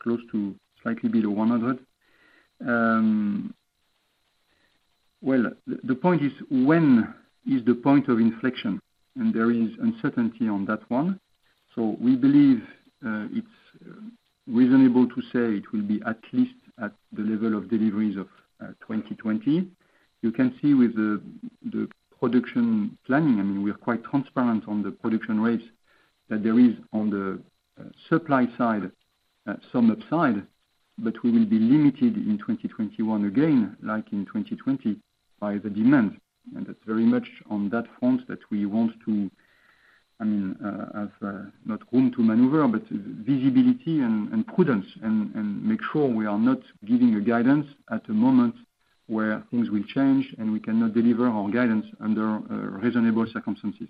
close to slightly below 100. Well, the point is when is the point of inflection? There is uncertainty on that one. We believe it's reasonable to say it will be at least at the level of deliveries of 2020. You can see with the production planning, we are quite transparent on the production rates that there is on the supply side, some upside, but we will be limited in 2021 again, like in 2020, by the demand. That's very much on that front that we want to have, not room to maneuver, but visibility and prudence and make sure we are not giving a guidance at a moment where things will change, and we cannot deliver our guidance under reasonable circumstances.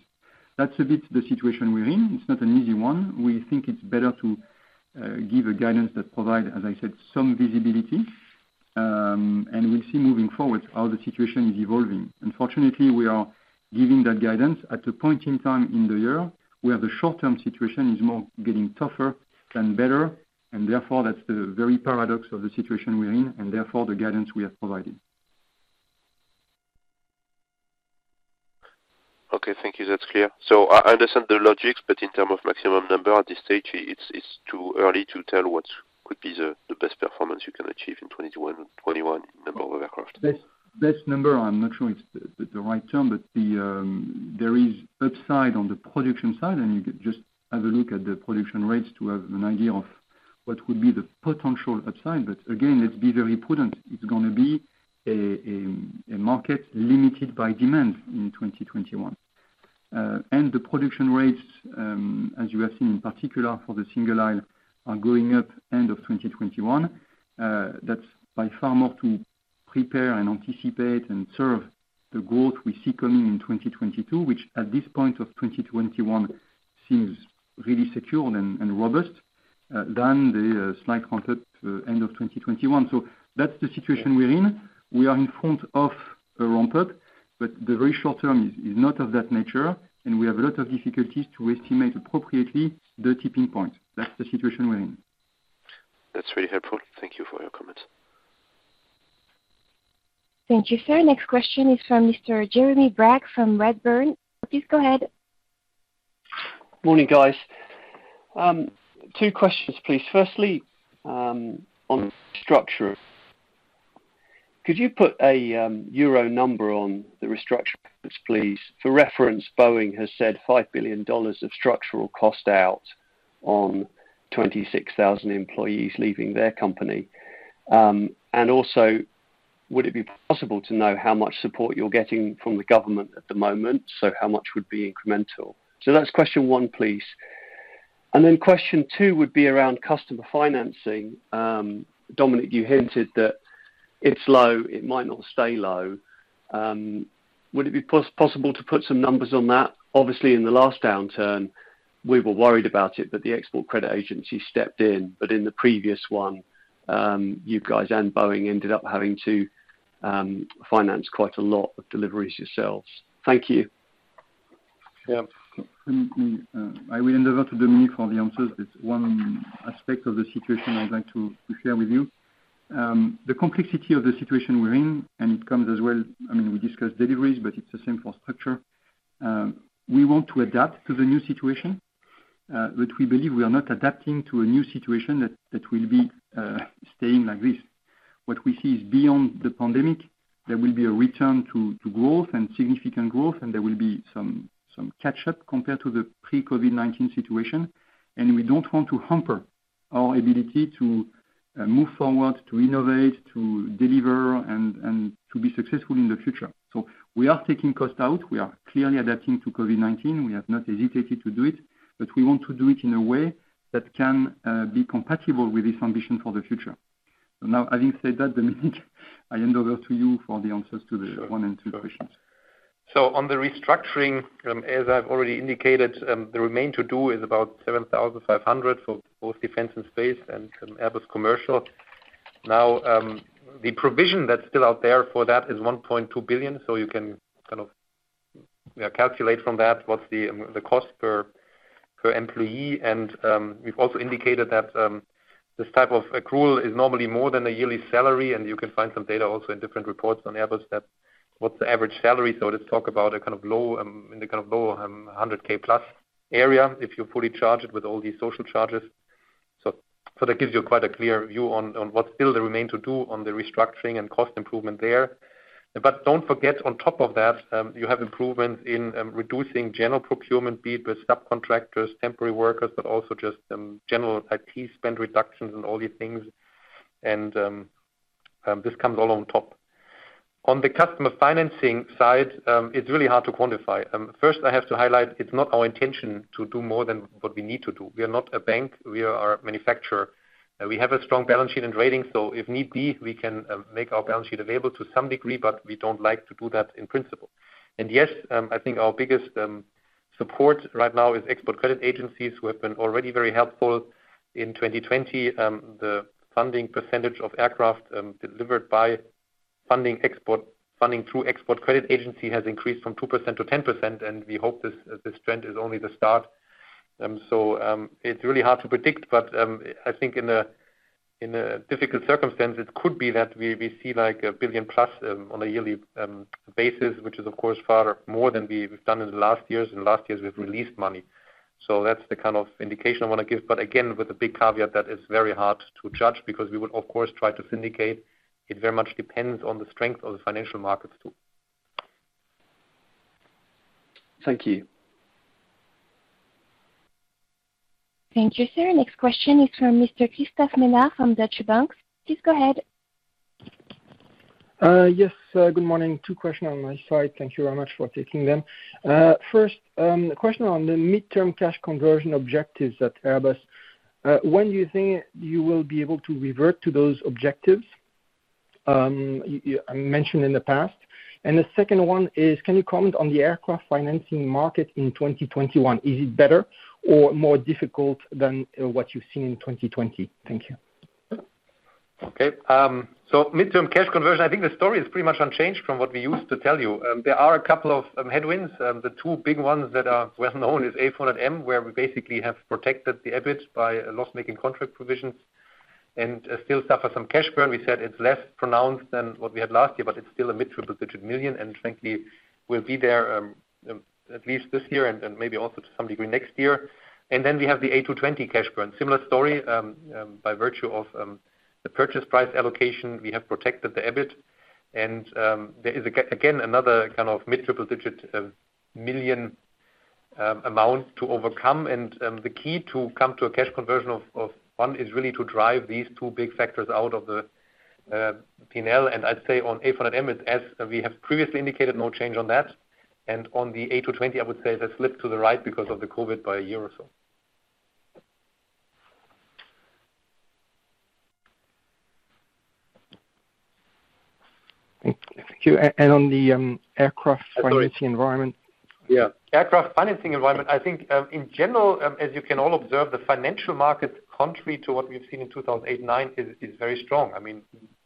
That's a bit the situation we're in. It's not an easy one. We think it's better to give a guidance that provide, as I said, some visibility, and we'll see moving forward how the situation is evolving. Unfortunately, we are giving that guidance at a point in time in the year where the short-term situation is more getting tougher than better, and therefore, that's the very paradox of the situation we're in, and therefore, the guidance we have provided. Okay, thank you. That's clear. I understand the logic, but in terms of maximum number at this stage, it's too early to tell what could be the best performance you can achieve in 2021 in number of aircraft. Best number, I'm not sure it's the right term, but there is upside on the production side, and you could just have a look at the production rates to have an idea of what would be the potential upside. Again, let's be very prudent. It's going to be a market limited by demand in 2021. The production rates, as you have seen in particular for the single aisle, are going up end of 2021. That's by far more to prepare and anticipate and serve the growth we see coming in 2022, which at this point of 2021 seems really secure and robust than the slight content to end of 2021. That's the situation we're in. We are in front of a ramp-up, but the very short-term is not of that nature, and we have a lot of difficulties to estimate appropriately the tipping point. That's the situation we're in. That's really helpful. Thank you for your comments. Thank you, sir. Next question is from Mr. Jeremy Bragg from Redburn. Please go ahead. Morning, guys. Two questions, please. Firstly, on structure. Could you put a euro number on the restructure, please? For reference, Boeing has said $5 billion of structural cost out on 26,000 employees leaving their company. Also, would it be possible to know how much support you're getting from the government at the moment? How much would be incremental? That's question one, please. Question two would be around customer financing. Dominik, you hinted that it's low, it might not stay low. Would it be possible to put some numbers on that? Obviously, in the last downturn, we were worried about it, the Export Credit Agency stepped in. In the previous one, you guys and Boeing ended up having to finance quite a lot of deliveries yourselves. Thank you. Yeah. I will hand over to Dominik for the answers. There's one aspect of the situation I'd like to share with you. The complexity of the situation we're in, it comes as well, we discussed deliveries, but it's the same for structure. We want to adapt to the new situation, but we believe we are not adapting to a new situation that will be staying like this. What we see is beyond the pandemic, there will be a return to growth and significant growth, there will be some catch-up compared to the pre-COVID-19 situation. We don't want to hamper our ability to move forward, to innovate, to deliver, and to be successful in the future. We are taking cost out. We are clearly adapting to COVID-19. We have not hesitated to do it, but we want to do it in a way that can be compatible with this ambition for the future. Now, having said that, Dominik, I hand over to you for the answers to the one and two questions. On the restructuring, as I've already indicated, the remain to do is about 7,500 for both Defence and Space and Airbus Commercial. The provision that's still out there for that is 1.2 billion. You can kind of calculate from that what's the cost per employee. We've also indicated that this type of accrual is normally more than a yearly salary, and you can find some data also in different reports on Airbus that what's the average salary. Let's talk about in the kind of low, 100,000 plus area if you fully charge it with all these social charges. That gives you quite a clear view on what still remain to do on the restructuring and cost improvement there. Don't forget, on top of that, you have improvements in reducing general procurement, be it with subcontractors, temporary workers, but also just general IT spend reductions and all these things. This comes all on top. On the customer financing side, it's really hard to quantify. First, I have to highlight it's not our intention to do more than what we need to do. We are not a bank. We are a manufacturer. We have a strong balance sheet and rating, so if need be, we can make our balance sheet available to some degree, but we don't like to do that in principle. Yes, I think our biggest support right now is Export Credit Agencies who have been already very helpful in 2020. The funding percentage of aircraft delivered by funding through Export Credit Agency has increased from 2%-10%. We hope this trend is only the start. It's really hard to predict, but I think in the difficult circumstances, it could be that we see like 1 billion plus on a yearly basis, which is of course far more than we've done in the last years. In the last years we've released money. That's the kind of indication I want to give, but again, with the big caveat that it's very hard to judge because we would of course try to syndicate. It very much depends on the strength of the financial markets too. Thank you. Thank you, sir. Next question is from Mr. Christophe Menard from Deutsche Bank. Please go ahead. Yes, good morning. Two question on my side. Thank you very much for taking them. First, question on the midterm cash conversion objectives at Airbus. When do you think you will be able to revert to those objectives, you mentioned in the past? The second one is, can you comment on the aircraft financing market in 2021? Is it better or more difficult than what you've seen in 2020? Thank you. Midterm cash conversion, I think the story is pretty much unchanged from what we used to tell you. There are a couple of headwinds. The two big ones that are well-known is A400M, where we basically have protected the EBIT by loss-making contract provisions and still suffer some cash burn. We said it's less pronounced than what we had last year, it's still a mid-triple digit million, frankly will be there at least this year and then maybe also to some degree next year. We have the A220 cash burn. Similar story, by virtue of the purchase price allocation, we have protected the EBIT, there is, again, another kind of EUR mid-triple digit million amount to overcome. The key to come to a cash conversion of one is really to drive these two big factors out of the P&L. I'd say on A400M is as we have previously indicated, no change on that. On the A220, I would say that slipped to the right because of the COVID by a year or so. Thank you. On the aircraft financing environment? Yeah. Aircraft financing environment, I think, in general, as you can all observe, the financial markets, contrary to what we've seen in 2008 and 2009 is very strong.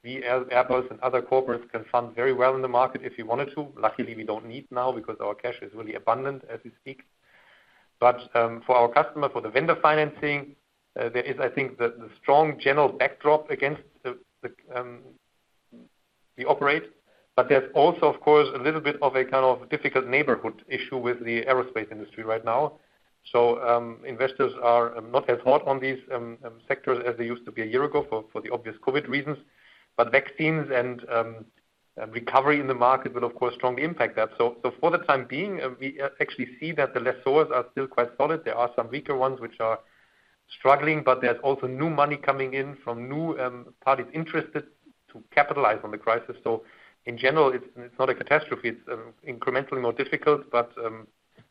We as Airbus and other corporates can fund very well in the market if we wanted to. Luckily, we don't need now because our cash is really abundant as we speak. For our customer, for the vendor financing, there is, I think, the strong general backdrop against the operate. There's also, of course, a little bit of a kind of difficult neighborhood issue with the aerospace industry right now. Investors are not as hot on these sectors as they used to be a year ago for the obvious COVID-19 reasons. Vaccines and recovery in the market will, of course, strongly impact that. For the time being, we actually see that the lessors are still quite solid. There are some weaker ones which are struggling, but there's also new money coming in from new parties interested to capitalize on the crisis. In general, it's not a catastrophe. It's incrementally more difficult, but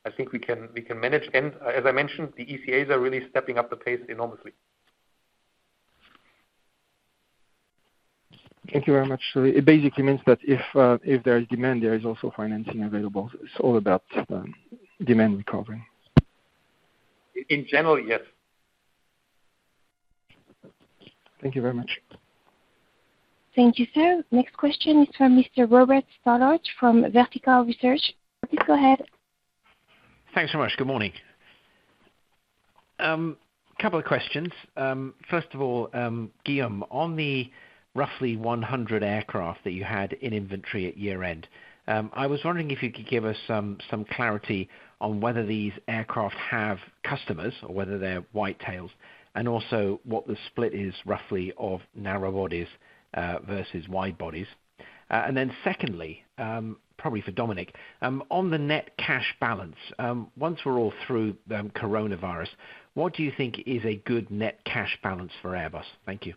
I think we can manage. As I mentioned, the ECAs are really stepping up the pace enormously. Thank you very much. It basically means that if there is demand, there is also financing available. It is all about demand recovery. In general, yes. Thank you very much. Thank you, sir. Next question is from Mr. Robert Stallard from Vertical Research. Please go ahead. Thanks so much. Good morning. Couple of questions. First of all, Guillaume, on the roughly 100 aircraft that you had in inventory at year-end, I was wondering if you could give us some clarity on whether these aircraft have customers or whether they're white tails, and also what the split is roughly of narrow bodies versus wide bodies. Secondly, probably for Dominik, on the net cash balance, once we're all through the coronavirus, what do you think is a good net cash balance for Airbus? Thank you.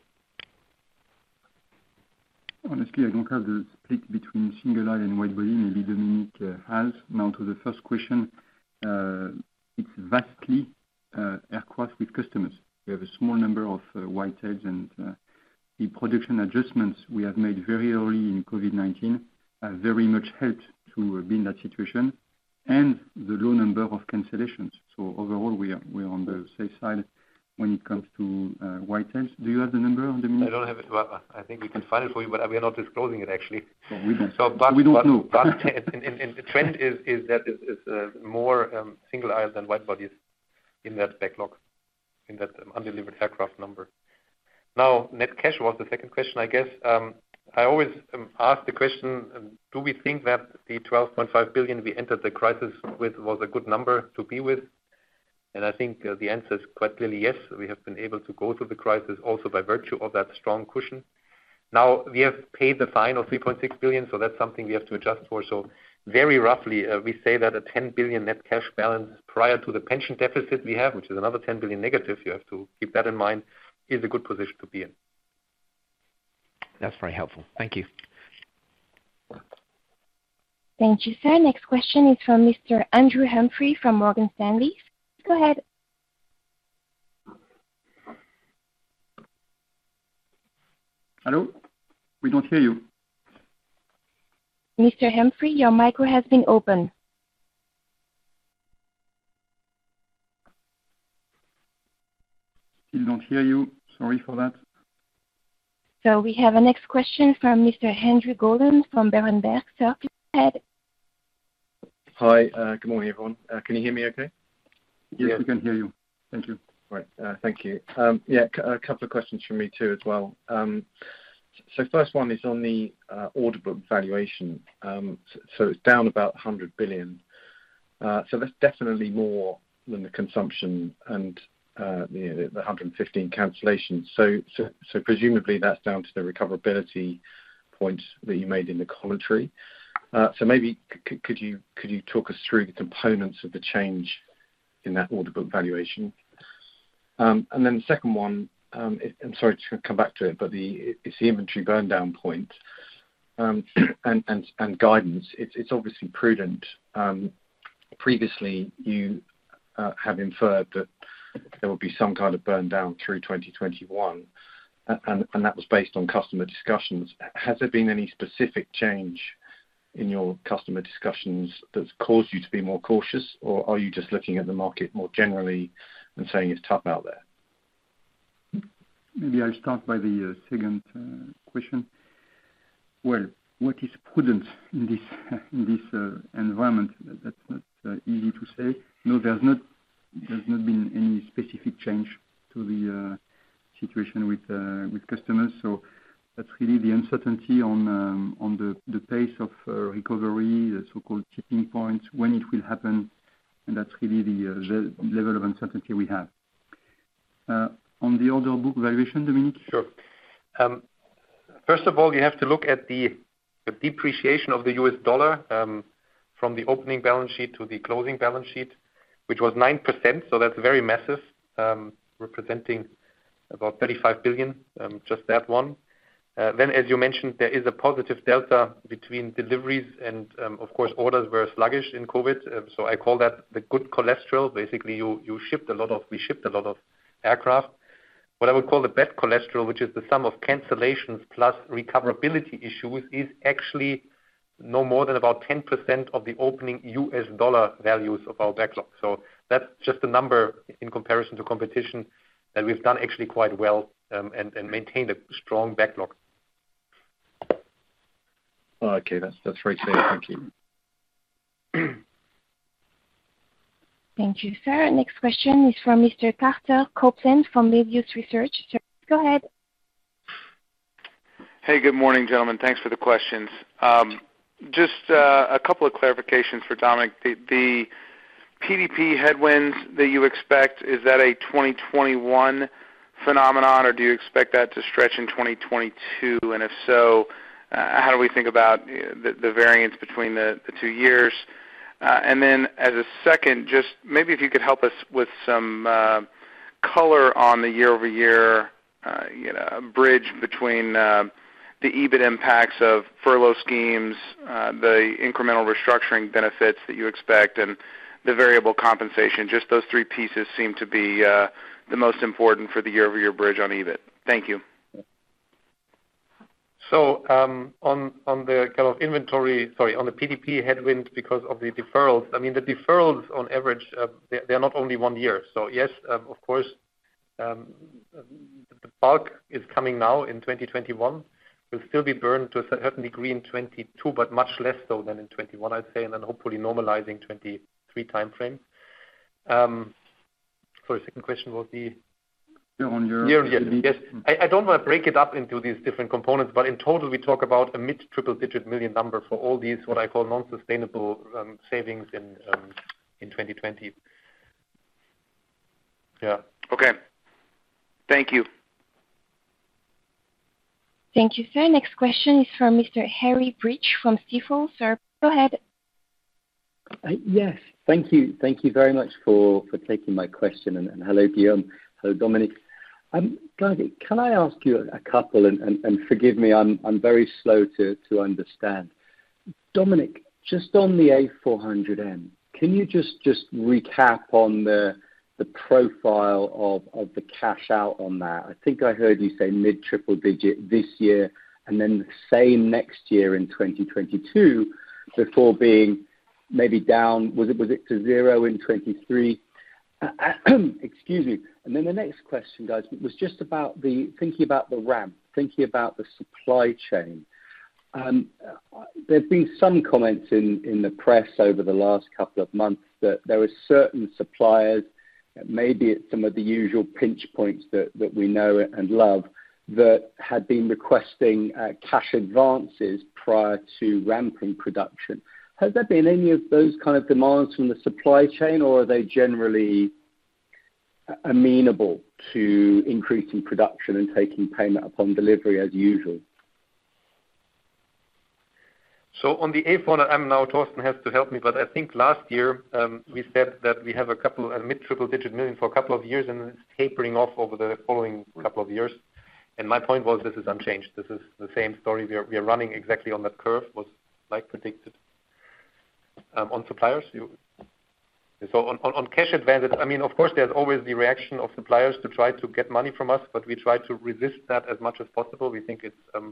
Honestly, I don't have the split between single aisle and wide body. Maybe Dominik has. To the first question, it's vastly aircraft with customers. We have a small number of white tails, and the production adjustments we have made very early in COVID-19 have very much helped to be in that situation, and the low number of cancellations. Overall, we are on the safe side when it comes to white tails. Do you have the number, Dominik? I don't have it. I think we can find it for you, but we are not disclosing it, actually. We don't know. The trend is that it's more single aisle than wide bodies in that backlog, in that undelivered aircraft number. Net cash was the second question, I guess. I always ask the question, do we think that the 12.5 billion we entered the crisis with was a good number to be with? I think the answer is quite clearly yes. We have been able to go through the crisis also by virtue of that strong cushion. We have paid the fine of 3.6 billion, so that's something we have to adjust for. Very roughly, we say that a 10 billion net cash balance prior to the pension deficit we have, which is another 10 billion negative, you have to keep that in mind, is a good position to be in. That's very helpful. Thank you. Thank you, sir. Next question is from Mr. Andrew Humphrey from Morgan Stanley. Go ahead. Hello? We don't hear you. Mr. Humphrey, your micro has been opened. Still don't hear you. Sorry for that. We have our next question from Mr. Andrew Gollan from Berenberg. Sir, please go ahead. Hi. Good morning, everyone. Can you hear me okay? Yes, we can hear you. Thank you. Right. Thank you. Yeah, a couple of questions from me too as well. First one is on the order book valuation. It's down about 100 billion. That's definitely more than the consumption and the 115 cancellations. Presumably, that's down to the recoverability point that you made in the commentary. Maybe could you talk us through the components of the change in that order book valuation? The second one, I'm sorry to come back to it, but it's the inventory burndown point and guidance. It's obviously prudent. Previously, you have inferred that there will be some kind of burndown through 2021, and that was based on customer discussions. Has there been any specific change in your customer discussions that's caused you to be more cautious, or are you just looking at the market more generally and saying it's tough out there? Maybe I'll start by the second question. Well, what is prudent in this environment? That's not easy to say. There's not been any specific change to the situation with customers. That's really the uncertainty on the pace of recovery, the so-called tipping points, when it will happen, and that's really the level of uncertainty we have. On the order book valuation, Dominik? Sure. First of all, you have to look at the depreciation of the US dollar from the opening balance sheet to the closing balance sheet, which was 9%, that's very massive, representing about 35 billion, just that one. As you mentioned, there is a positive delta between deliveries and, of course, orders were sluggish in COVID-19. I call that the good cholesterol. Basically, we shipped a lot of aircraft. What I would call the bad cholesterol, which is the sum of cancellations plus recoverability issues, is actually no more than about 10% of the opening US dollar values of our backlog. That's just a number in comparison to competition that we've done actually quite well and maintained a strong backlog. Okay. That's very clear. Thank you. Thank you, sir. Next question is from Mr. Carter Copeland from Melius Research. Sir, go ahead. Hey, good morning, gentlemen. Thanks for the questions. Just a couple of clarifications for Dominik. The PDP headwinds that you expect, is that a 2021 phenomenon, or do you expect that to stretch in 2022? If so, how do we think about the variance between the two years? As a second, just maybe if you could help us with some color on the year-over-year bridge between the EBIT impacts of furlough schemes, the incremental restructuring benefits that you expect, and the variable compensation. Just those three pieces seem to be the most important for the year-over-year bridge on EBIT. Thank you. On the PDP headwind because of the deferrals, the deferrals on average, they're not only one year. Yes, of course, the bulk is coming now in 2021. We'll still be burdened to a certain degree in 2022, but much less so than in 2021, I'd say, and then hopefully normalizing 2023 timeframe. Sorry, second question was the Year-on-year year-on-year. Yes. I don't want to break it up into these different components, but in total, we talk about a mid triple digit million number for all these, what I call non-sustainable savings in 2020. Yeah. Okay. Thank you. Thank you, sir. Next question is from Mr. Harry Breach from Stifel. Sir, go ahead. Yes. Thank you very much for taking my question. Hello, Guillaume. Hello, Dominik. Can I ask you a couple, and forgive me, I'm very slow to understand. Dominik, just on the A400M, can you just recap on the profile of the cash out on that? I think I heard you say mid triple digit this year, and then the same next year in 2022, before being maybe down. Was it to zero in 2023? Excuse me. The next question, guys, was just about thinking about the ramp, thinking about the supply chain. There've been some comments in the press over the last couple of months that there are certain suppliers, maybe at some of the usual pinch points that we know and love, that had been requesting cash advances prior to ramping production. Has there been any of those kind of demands from the supply chain, or are they generally amenable to increasing production and taking payment upon delivery as usual? On the A400M now, Thorsten has to help me, but I think last year, we said that we have a mid triple digit million for a couple of years, and it's tapering off over the following couple of years. My point was, this is unchanged. This is the same story. We are running exactly on that curve was predicted. On suppliers, on cash advances, of course, there's always the reaction of suppliers to try to get money from us, but we try to resist that as much as possible. We think it's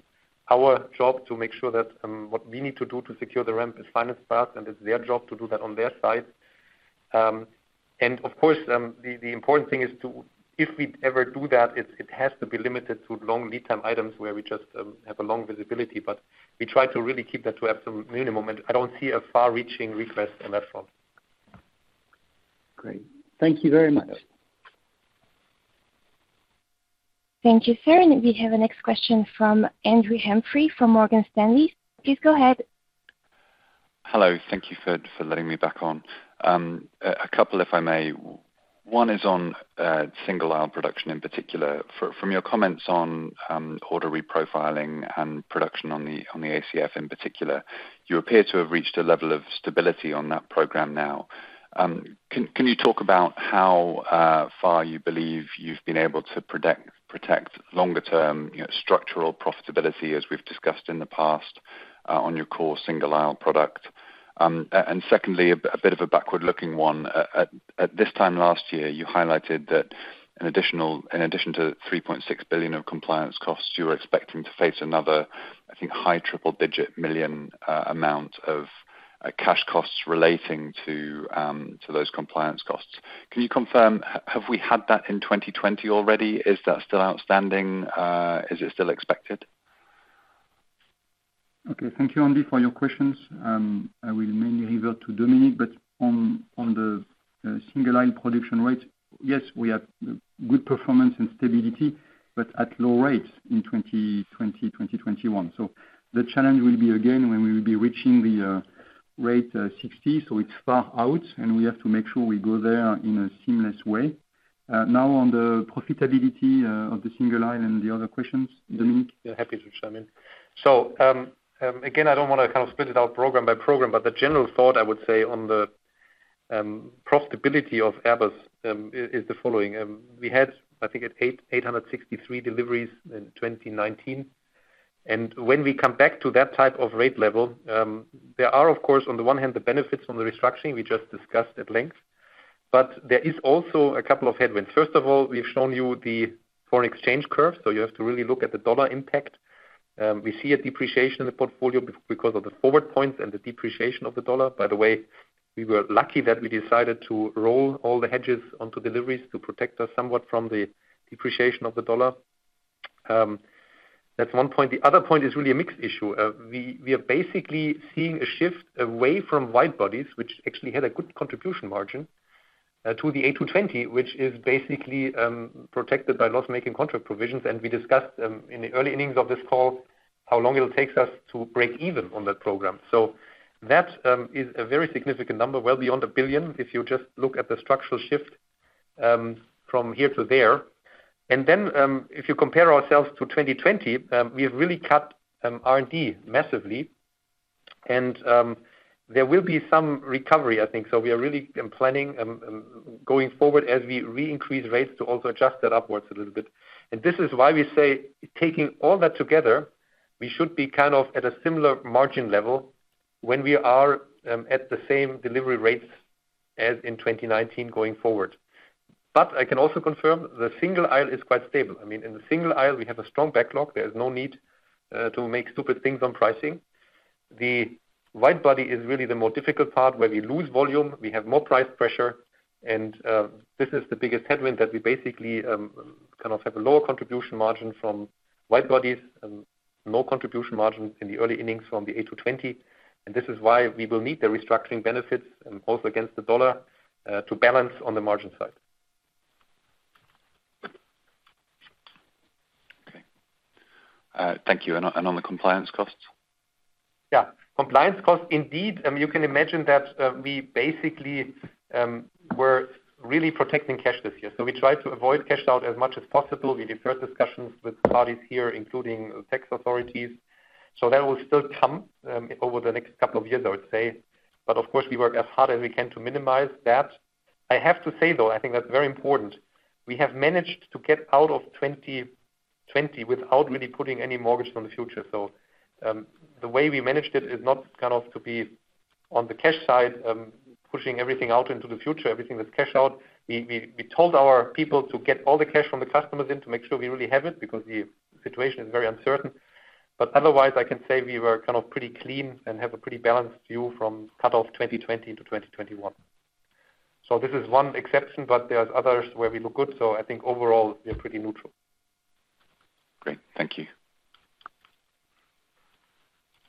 our job to make sure that what we need to do to secure the ramp is financed fast, and it's their job to do that on their side. Of course, the important thing is to, if we ever do that, it has to be limited to long lead time items where we just have a long visibility, but we try to really keep that to absolute minimum. I don't see a far-reaching request on that front. Great. Thank you very much. Thank you, sir. We have a next question from Andrew Humphrey from Morgan Stanley. Please go ahead. Hello. Thank you for letting me back on. A couple, if I may. One is on single aisle production in particular. From your comments on order reprofiling and production on the ACF in particular, you appear to have reached a level of stability on that program now. Can you talk about how far you believe you've been able to protect longer-term structural profitability, as we've discussed in the past, on your core single aisle product? Secondly, a bit of a backward-looking one. At this time last year, you highlighted that in addition to 3.6 billion of compliance costs, you were expecting to face another, I think, high triple-digit million amount of cash costs relating to those compliance costs. Can you confirm, have we had that in 2020 already? Is that still outstanding? Is it still expected? Okay. Thank you, Andy, for your questions. I will mainly revert to Dominik, but on the single aisle production rate, yes, we have good performance and stability, but at low rates in 2020, 2021. The challenge will be again when we will be reaching the rate 60, so it's far out, and we have to make sure we go there in a seamless way. On the profitability of the single aisle and the other questions, Dominik. Yeah, happy to chime in. Again, I don't want to kind of split it out program by program, but the general thought, I would say, on the profitability of Airbus is the following. We had, I think, 863 deliveries in 2019. When we come back to that type of rate level, there are, of course, on the one hand, the benefits from the restructuring we just discussed at length, but there is also a couple of headwinds. First of all, we've shown you the foreign exchange curve, so you have to really look at the dollar impact. We see a depreciation in the portfolio because of the forward points and the depreciation of the dollar. By the way, we were lucky that we decided to roll all the hedges onto deliveries to protect us somewhat from the depreciation of the dollar. That's one point. The other point is really a mixed issue. We are basically seeing a shift away from wide bodies, which actually had a good contribution margin, to the A220, which is basically protected by loss-making contract provisions. We discussed, in the early innings of this call, how long it'll take us to break even on that program. That is a very significant number, well beyond 1 billion, if you just look at the structural shift from here to there. If you compare ourselves to 2020, we have really cut R&D massively, and there will be some recovery, I think. We are really planning, going forward as we re-increase rates to also adjust that upwards a little bit. This is why we say, taking all that together, we should be kind of at a similar margin level when we are at the same delivery rates as in 2019 going forward. I can also confirm the single aisle is quite stable. In the single aisle, we have a strong backlog. There is no need to make stupid things on pricing. The wide body is really the more difficult part, where we lose volume, we have more price pressure, and this is the biggest headwind that we basically kind of have a lower contribution margin from wide bodies and no contribution margin in the early innings from the A220, and this is why we will need the restructuring benefits, and also against the US dollar, to balance on the margin side. Okay. Thank you. On the compliance costs? Yeah. Compliance costs, indeed, you can imagine that we basically were really protecting cash this year. We tried to avoid cash out as much as possible. We deferred discussions with parties here, including tax authorities. That will still come over the next couple of years, I would say. Of course, we work as hard as we can to minimize that. I have to say, though, I think that's very important. We have managed to get out of 2020 without really putting any mortgage on the future. The way we managed it is not kind of to be on the cash side, pushing everything out into the future, everything with cash out. We told our people to get all the cash from the customers in to make sure we really have it, because the situation is very uncertain. Otherwise, I can say we were kind of pretty clean and have a pretty balanced view from cut-off 2020 to 2021. This is one exception, but there's others where we look good. I think overall, we're pretty neutral. Great. Thank you.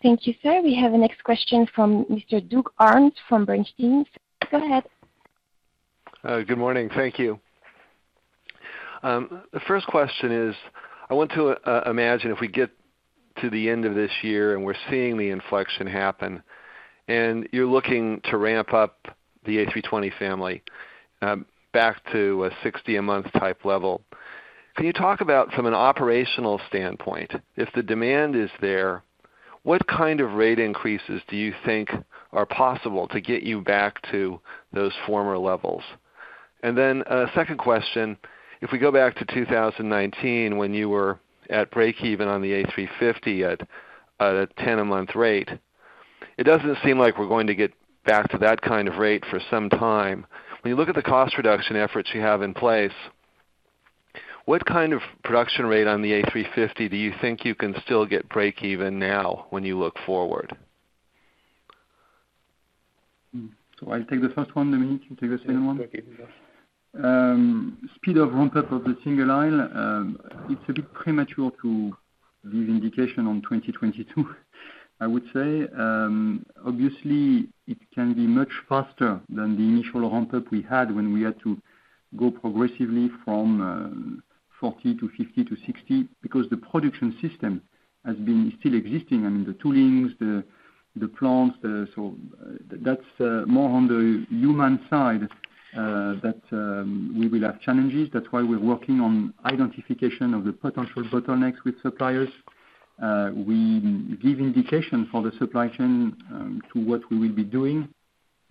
Thank you, sir. We have the next question from Mr. Doug Harned from Bernstein. Go ahead. Good morning. Thank you. The first question is, I want to imagine if we get to the end of this year and we're seeing the inflection happen, and you're looking to ramp up the A320 family back to a 60-a-month type level. Can you talk about from an operational standpoint, if the demand is there, what kind of rate increases do you think are possible to get you back to those former levels? A second question, if we go back to 2019, when you were at breakeven on the A350 at a 10 a month rate, it doesn't seem like we're going to get back to that kind of rate for some time. When you look at the cost reduction efforts you have in place, what kind of production rate on the A350 do you think you can still get breakeven now when you look forward? I take the first one, Dominik, you take the second one? Yeah. Okay. Speed of ramp-up of the single aisle, it's a bit premature to give indication on 2022, I would say. Obviously, it can be much faster than the initial ramp-up we had when we had to go progressively from 40 to 50 to 60 because the production system has been still existing. I mean the toolings, the plants, that's more on the human side that we will have challenges. That's why we're working on identification of the potential bottlenecks with suppliers. We give indication for the supply chain to what we will be doing,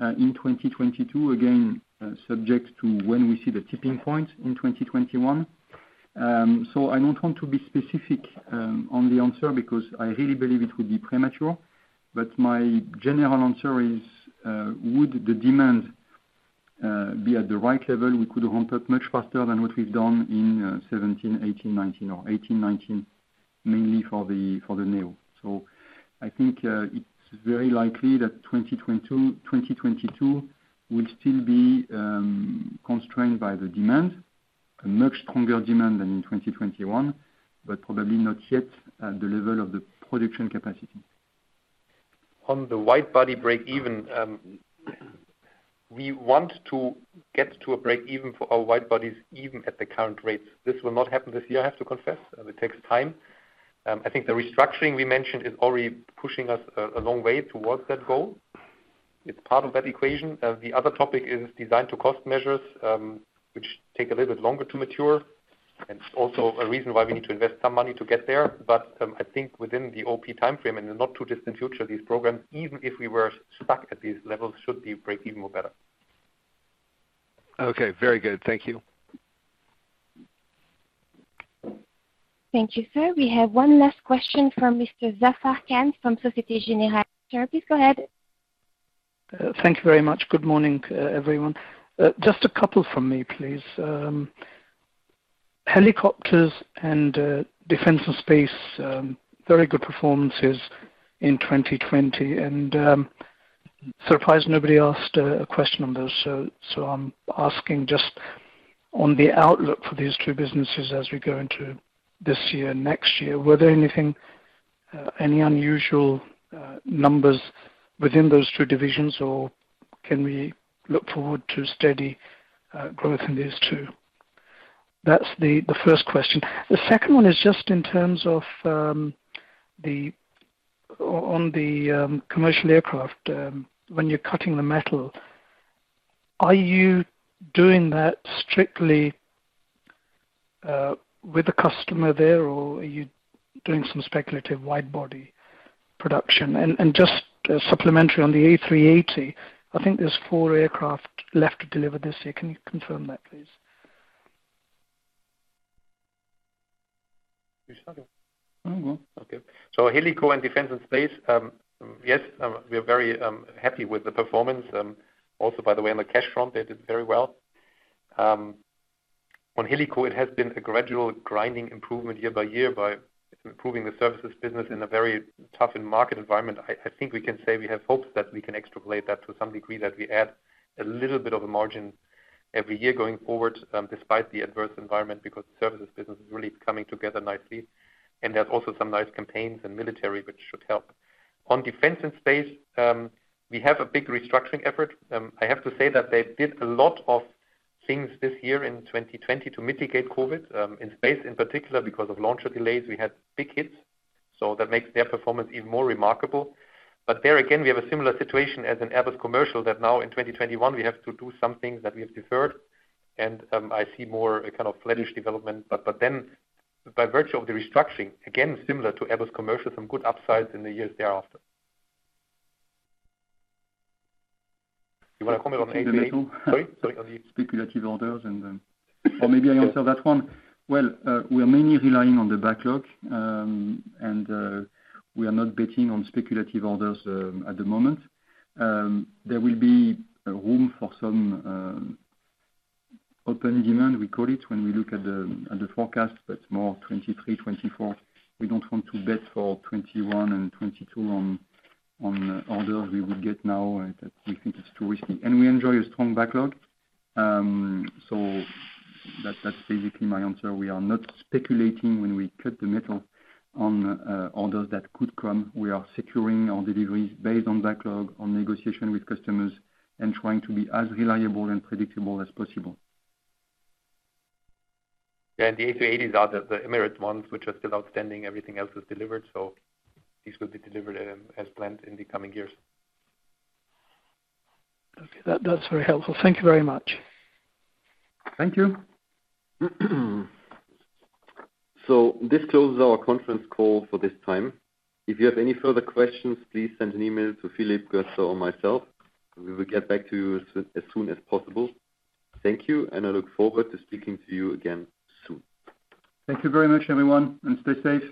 in 2022, again, subject to when we see the tipping point in 2021. I don't want to be specific on the answer because I really believe it would be premature. My general answer is would the demand be at the right level, we could ramp up much faster than what we've done in 2017, 2018, 2019 or 2018, 2019, mainly for the Neo. I think, it's very likely that 2022 will still be constrained by the demand, a much stronger demand than in 2021, but probably not yet at the level of the production capacity. On the wide-body breakeven, we want to get to a breakeven for our wide bodies even at the current rates. This will not happen this year, I have to confess. It takes time. I think the restructuring we mentioned is already pushing us a long way towards that goal. It's part of that equation. The other topic is design to cost measures, which take a little bit longer to mature, and also a reason why we need to invest some money to get there. I think within the OP timeframe, and in the not too distant future, these programs, even if we were stuck at these levels, should be breakeven or better. Okay. Very good. Thank you. Thank you, sir. We have one last question from Mr. Zafar Khan from Societe Generale. Sir, please go ahead. Thank you very much. Good morning, everyone. Just a couple from me, please. Helicopters and Defense and Space, very good performances in 2020. I'm surprised nobody asked a question on those. I'm asking just on the outlook for these two businesses as we go into this year, next year. Were there any unusual numbers within those two divisions or can we look forward to steady growth in these two? That's the first question. The second one is just in terms of on the commercial aircraft, when you're cutting the metal, are you doing that strictly with the customer there, or are you doing some speculative wide-body production? Just supplementary on the A380, I think there's four aircraft left to deliver this year. Can you confirm that, please? You start it. I will. Helico and Defence and Space. We are very happy with the performance, also on the cash front, they did very well. On Helico, it has been a gradual grinding improvement year by year by improving the services business in a very tough market environment. We have hopes that we can extrapolate that to some degree, that we add a little bit of a margin every year going forward, despite the adverse environment, because the services business is really coming together nicely. There's also some nice campaigns in military, which should help. On Defence and Space, we have a big restructuring effort. They did a lot of things this year in 2020 to mitigate COVID-19. In space, in particular, because of launcher delays, we had big hits. That makes their performance even more remarkable. There again, we have a similar situation as in Airbus Commercial, that now in 2021, we have to do some things that we have deferred and I see more a kind of flattish development. By virtue of the restructuring, again, similar to Airbus Commercial, some good upsides in the years thereafter. You want to comment on the A380? Should I comment on the- Sorry speculative orders and then, or maybe I answer that one. Well, we are mainly relying on the backlog, and we are not betting on speculative orders at the moment. There will be room for some open demand, we call it, when we look at the forecast, but more 2023, 2024. We don't want to bet for 2021 and 2022 on orders we would get now. We think it's too risky. We enjoy a strong backlog. That's basically my answer. We are not speculating when we cut the metal on orders that could come. We are securing our deliveries based on backlog, on negotiation with customers, and trying to be as reliable and predictable as possible. Yeah. The A380s are the Emirates ones, which are still outstanding. Everything else is delivered, so these will be delivered as planned in the coming years. Okay. That's very helpful. Thank you very much. Thank you. This closes our conference call for this time. If you have any further questions, please send an email to Philippe, Gustavo, or myself. We will get back to you as soon as possible. Thank you, and I look forward to speaking to you again soon. Thank you very much, everyone, and stay safe.